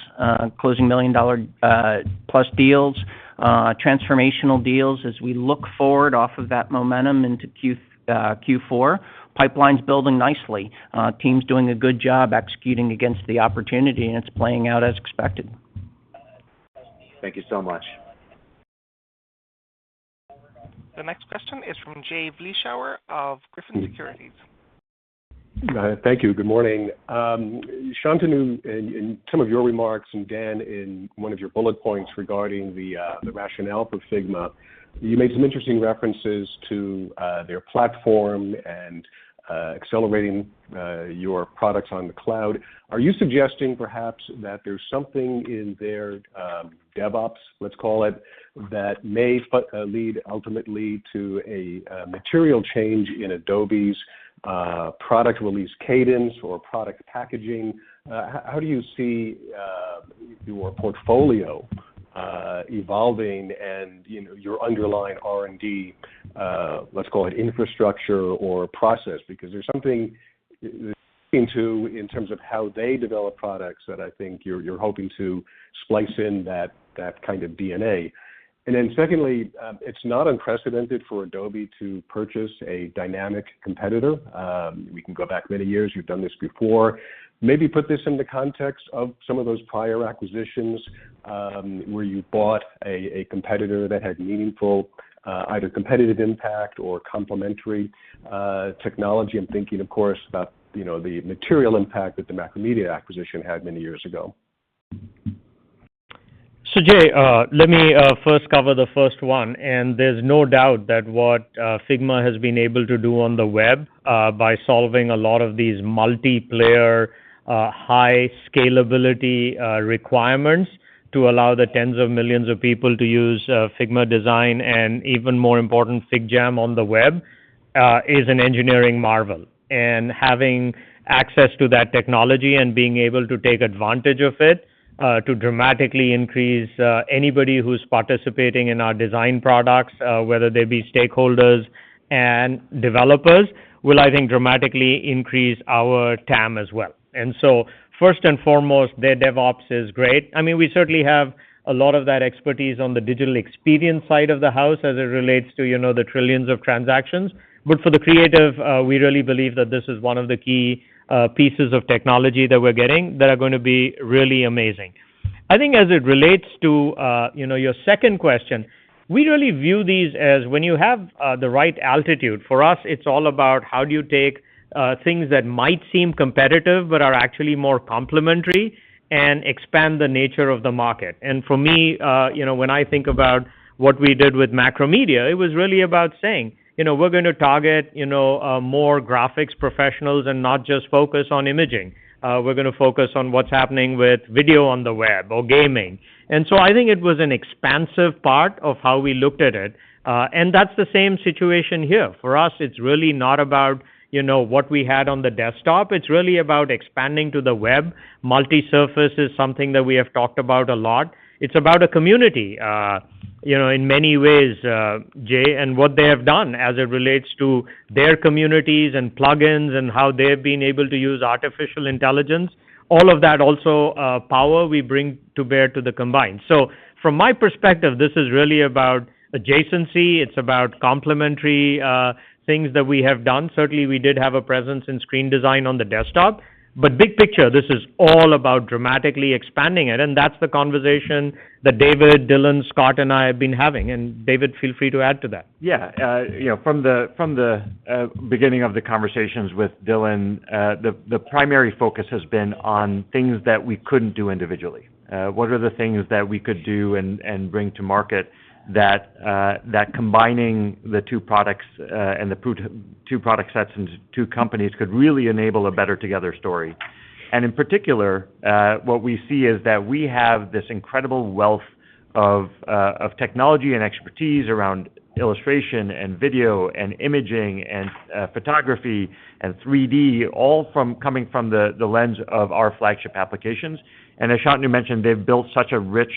closing $1 million-plus deals, transformational deals as we look forward off of that momentum into Q4. Pipeline's building nicely. Team's doing a good job executing against the opportunity, and it's playing out as expected. Thank you so much. The next question is from Jay Vleeschhouwer of Griffin Securities. Thank you. Good morning. Shantanu, in some of your remarks, and Dan, in one of your bullet points regarding the rationale for Figma, you made some interesting references to their platform and accelerating your products on the cloud. Are you suggesting perhaps that there's something in their DevOps, let's call it, that may lead ultimately to a material change in Adobe's product release cadence or product packaging? How do you see your portfolio evolving and, you know, your underlying R&D, let's call it infrastructure or process? Because there's something in it in terms of how they develop products that I think you're hoping to splice in that kind of DNA. Secondly, it's not unprecedented for Adobe to purchase a dynamic competitor. We can go back many years. You've done this before. Maybe put this into context of some of those prior acquisitions, where you bought a competitor that had meaningful, either competitive impact or complementary, technology. I'm thinking, of course, about, you know, the material impact that the Macromedia acquisition had many years ago. Jay, let me first cover the first one, and there's no doubt that what Figma has been able to do on the web by solving a lot of these multiplayer high scalability requirements to allow the tens of millions of people to use Figma design and even more important, FigJam on the web is an engineering marvel. Having access to that technology and being able to take advantage of it to dramatically increase anybody who's participating in our design products whether they be stakeholders and developers will, I think, dramatically increase our TAM as well. First and foremost, their DevOps is great. I mean, we certainly have a lot of that expertise on the digital experience side of the house as it relates to, you know, the trillions of transactions. For the creative, we really believe that this is one of the key pieces of technology that we're getting that are gonna be really amazing. I think as it relates to, you know, your second question, we really view these as when you have the right altitude. For us, it's all about how do you take things that might seem competitive but are actually more complementary and expand the nature of the market. For me, you know, when I think about what we did with Macromedia, it was really about saying, you know, we're gonna target, you know, more graphics professionals and not just focus on imaging. We're gonna focus on what's happening with video on the web or gaming. I think it was an expansive part of how we looked at it. That's the same situation here. For us, it's really not about, you know, what we had on the desktop. It's really about expanding to the web. Multi-surface is something that we have talked about a lot. It's about a community, you know, in many ways, Jay, and what they have done as it relates to their communities and plugins and how they've been able to use artificial intelligence. All of that also, power we bring to bear to the combined. From my perspective, this is really about adjacency. It's about complementary, things that we have done. Certainly, we did have a presence in screen design on the desktop. Big picture, this is all about dramatically expanding it, and that's the conversation that David, Dylan, Scott, and I have been having. David, feel free to add to that. Yeah. You know, from the beginning of the conversations with Dylan, the primary focus has been on things that we couldn't do individually. What are the things that we could do and bring to market that combining the two products and the two product sets and two companies could really enable a better together story. In particular, what we see is that we have this incredible wealth of technology and expertise around illustration and video and imaging and photography and 3D all coming from the lens of our flagship applications. As Shantanu mentioned, they've built such a rich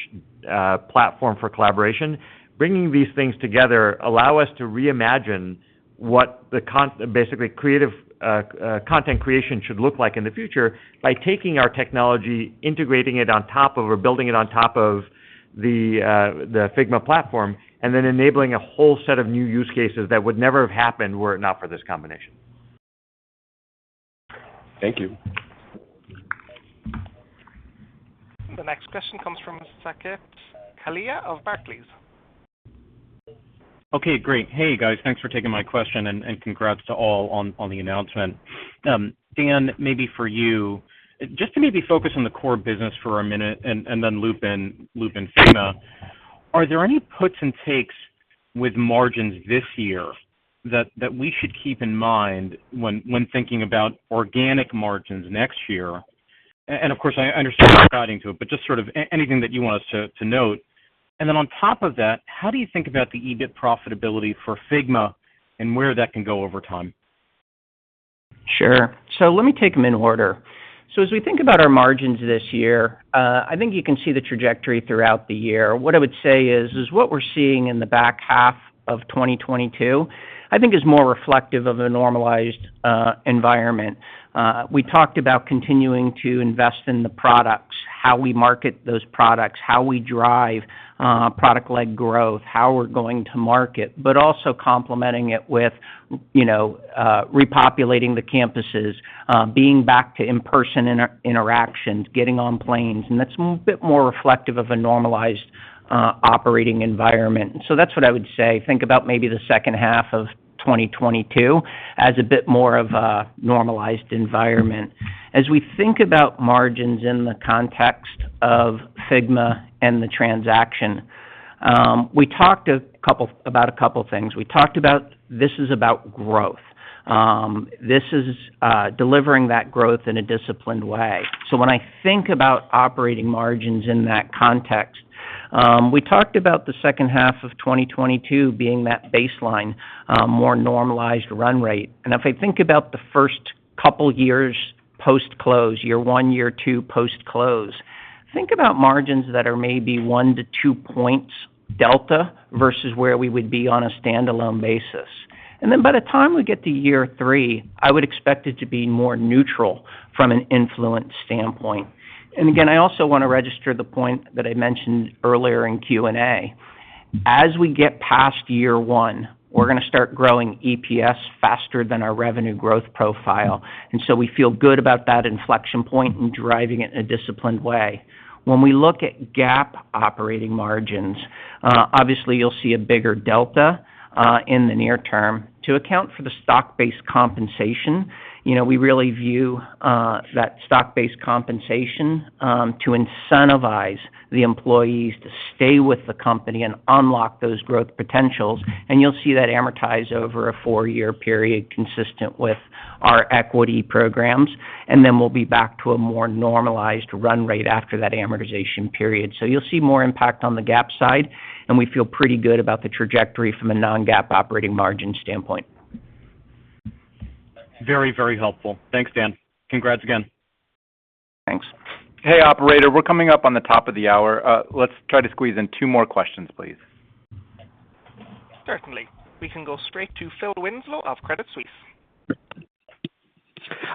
platform for collaboration. Bringing these things together allow us to reimagine what basically creative content creation should look like in the future by taking our technology, integrating it on top of or building it on top of the Figma platform, and then enabling a whole set of new use cases that would never have happened were it not for this combination. Thank you. The next question comes from Saket Kalia of Barclays. Okay, great. Hey guys, thanks for taking my question and congrats to all on the announcement. Dan, maybe for you, just to maybe focus on the core business for a minute and then loop in Figma. Are there any puts and takes with margins this year that we should keep in mind when thinking about organic margins next year? Of course I understand you're not guiding to it, but just sort of anything that you want us to note. Then on top of that, how do you think about the EBIT profitability for Figma and where that can go over time? Sure. Let me take them in order. As we think about our margins this year, I think you can see the trajectory throughout the year. What I would say is what we're seeing in the back half of 2022, I think is more reflective of a normalized environment. We talked about continuing to invest in the products, how we market those products, how we drive product-led growth, how we're going to market, but also complementing it with, you know, repopulating the campuses, being back to in-person interactions, getting on planes, and that's a bit more reflective of a normalized operating environment. That's what I would say. Think about maybe the second half of 2022 as a bit more of a normalized environment. As we think about margins in the context of Figma and the transaction, we talked about a couple of things. We talked about this is about growth. This is delivering that growth in a disciplined way. When I think about operating margins in that context, we talked about the second half of 2022 being that baseline, more normalized run rate. If I think about the first couple years post-close, year 1, year 2 post-close, think about margins that are maybe 1-2 points delta versus where we would be on a standalone basis. By the time we get to year 3, I would expect it to be more neutral from an influence standpoint. I also want to register the point that I mentioned earlier in Q&A. As we get past year one, we're going to start growing EPS faster than our revenue growth profile, and so we feel good about that inflection point and driving it in a disciplined way. When we look at GAAP operating margins, obviously you'll see a bigger delta in the near term to account for the stock-based compensation. You know, we really view that stock-based compensation to incentivize the employees to stay with the company and unlock those growth potentials. You'll see that amortize over a four-year period consistent with our equity programs. Then we'll be back to a more normalized run rate after that amortization period. You'll see more impact on the GAAP side, and we feel pretty good about the trajectory from a non-GAAP operating margin standpoint. Very, very helpful. Thanks, Dan. Congrats again. Thanks. Hey, operator, we're coming up on the top of the hour. Let's try to squeeze in two more questions, please. Certainly. We can go straight to Phil Winslow of Credit Suisse.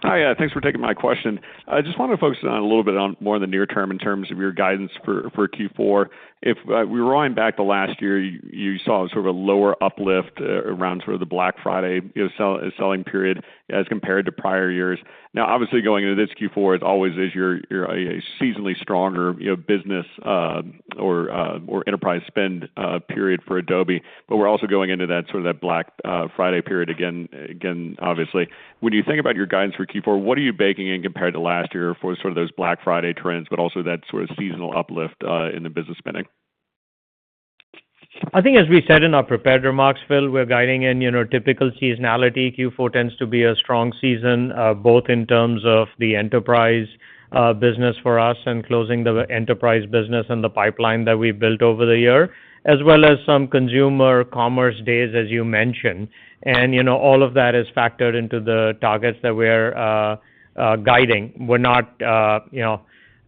Hi. Thanks for taking my question. I just want to focus on a little bit on more of the near term in terms of your guidance for Q4. If we were rolling back to last year, you saw sort of a lower uplift around sort of the Black Friday, you know, selling period as compared to prior years. Now, obviously going into this Q4, it always is your a seasonally stronger, you know, business or enterprise spend period for Adobe. But we're also going into that sort of Black Friday period again, obviously. When you think about your guidance for Q4, what are you baking in compared to last year for sort of those Black Friday trends, but also that sort of seasonal uplift in the business spending? I think as we said in our prepared remarks, Phil, we're guiding in, you know, typical seasonality. Q4 tends to be a strong season, both in terms of the enterprise business for us and closing the enterprise business and the pipeline that we built over the year, as well as some consumer commerce days, as you mentioned. You know, all of that is factored into the targets that we're guiding. We're not, you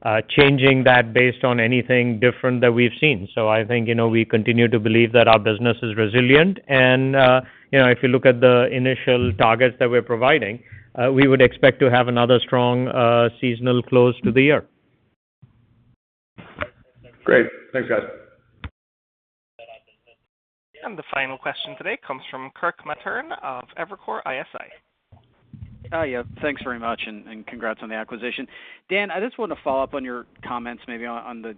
know, changing that based on anything different that we've seen. I think, you know, we continue to believe that our business is resilient. You know, if you look at the initial targets that we're providing, we would expect to have another strong seasonal close to the year. Great. Thanks, guys. The final question today comes from Kirk Materne of Evercore ISI. Hi. Thanks very much, and congrats on the acquisition. Dan, I just want to follow up on your comments maybe on the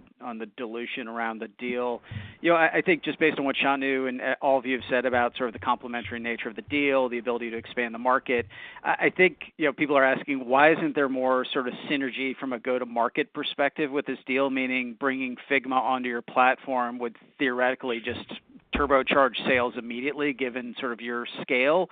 dilution around the deal. You know, I think just based on what Shantanu and all of you have said about sort of the complementary nature of the deal, the ability to expand the market, I think, you know, people are asking why isn't there more sort of synergy from a go-to-market perspective with this deal, meaning bringing Figma onto your platform would theoretically just turbocharge sales immediately given sort of your scale.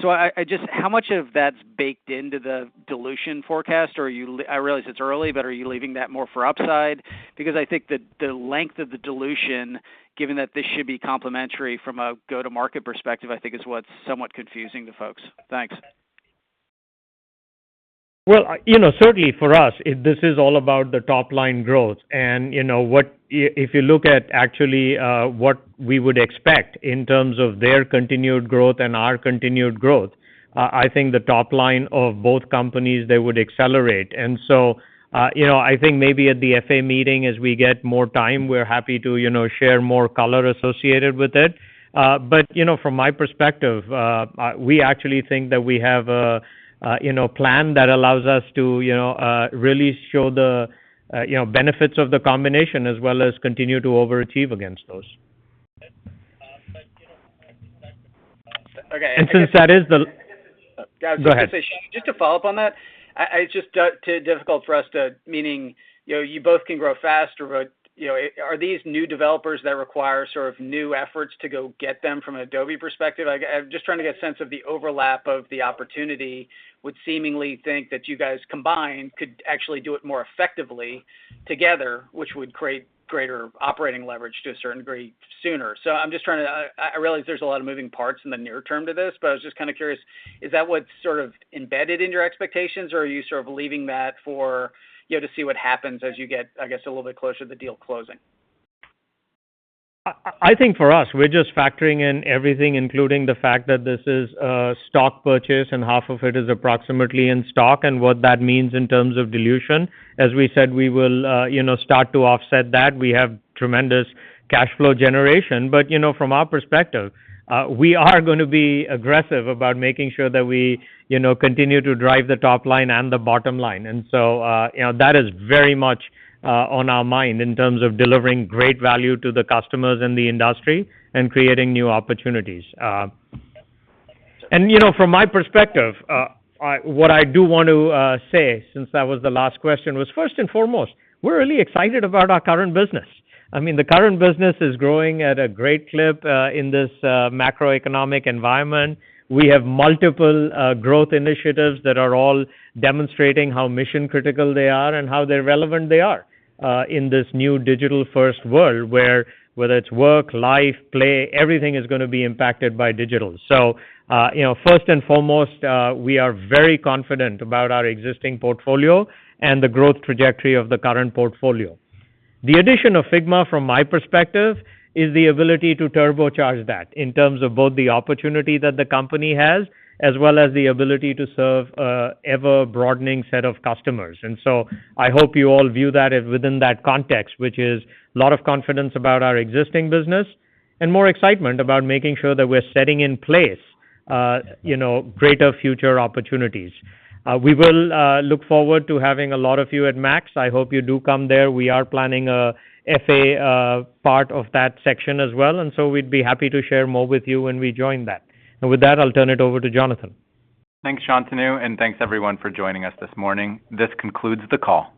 So I just, how much of that's baked into the dilution forecast? Or, I realize it's early, but are you leaving that more for upside? Because I think the length of the dilution, given that this should be complementary from a go-to-market perspective, I think is what's somewhat confusing to folks. Thanks. Well, you know, certainly for us, this is all about the top line growth. You know, if you look at actually, what we would expect in terms of their continued growth and our continued growth, I think the top line of both companies, they would accelerate. You know, I think maybe at the FA meeting, as we get more time, we're happy to, you know, share more color associated with it. You know, from my perspective, we actually think that we have a, you know, plan that allows us to, you know, really show the, you know, benefits of the combination as well as continue to overachieve against those. Okay. Go ahead. Just to follow up on that, it's just too difficult for us to, meaning, you know, you both can grow faster, but, you know, are these new developers that require sort of new efforts to go get them from an Adobe perspective? Like, I'm just trying to get a sense of the overlap of the opportunity, would seemingly think that you guys combined could actually do it more effectively together, which would create greater operating leverage to a certain degree sooner. I'm just trying to, I realize there's a lot of moving parts in the near term to this, but I was just kind of curious, is that what's sort of embedded in your expectations, or are you sort of leaving that for, you know, to see what happens as you get, I guess, a little bit closer to the deal closing? I think for us, we're just factoring in everything, including the fact that this is a stock purchase and half of it is approximately in stock and what that means in terms of dilution. As we said, we will, you know, start to offset that. We have tremendous cash flow generation. You know, from our perspective, we are gonna be aggressive about making sure that we, you know, continue to drive the top line and the bottom line. You know, that is very much on our mind in terms of delivering great value to the customers in the industry and creating new opportunities. You know, from my perspective, what I do want to say, since that was the last question, was, first and foremost, we're really excited about our current business. I mean, the current business is growing at a great clip in this macroeconomic environment. We have multiple growth initiatives that are all demonstrating how mission-critical they are and how relevant they are in this new digital-first world where whether it's work, life, play, everything is gonna be impacted by digital. You know, first and foremost, we are very confident about our existing portfolio and the growth trajectory of the current portfolio. The addition of Figma from my perspective is the ability to turbocharge that in terms of both the opportunity that the company has, as well as the ability to serve a ever-broadening set of customers. I hope you all view that as within that context, which is a lot of confidence about our existing business and more excitement about making sure that we're setting in place, you know, greater future opportunities. We will look forward to having a lot of you at Max. I hope you do come there. We are planning a FA part of that section as well, and so we'd be happy to share more with you when we join that. With that, I'll turn it over to Jonathan. Thanks, Shantanu. Thanks everyone for joining us this morning. This concludes the call.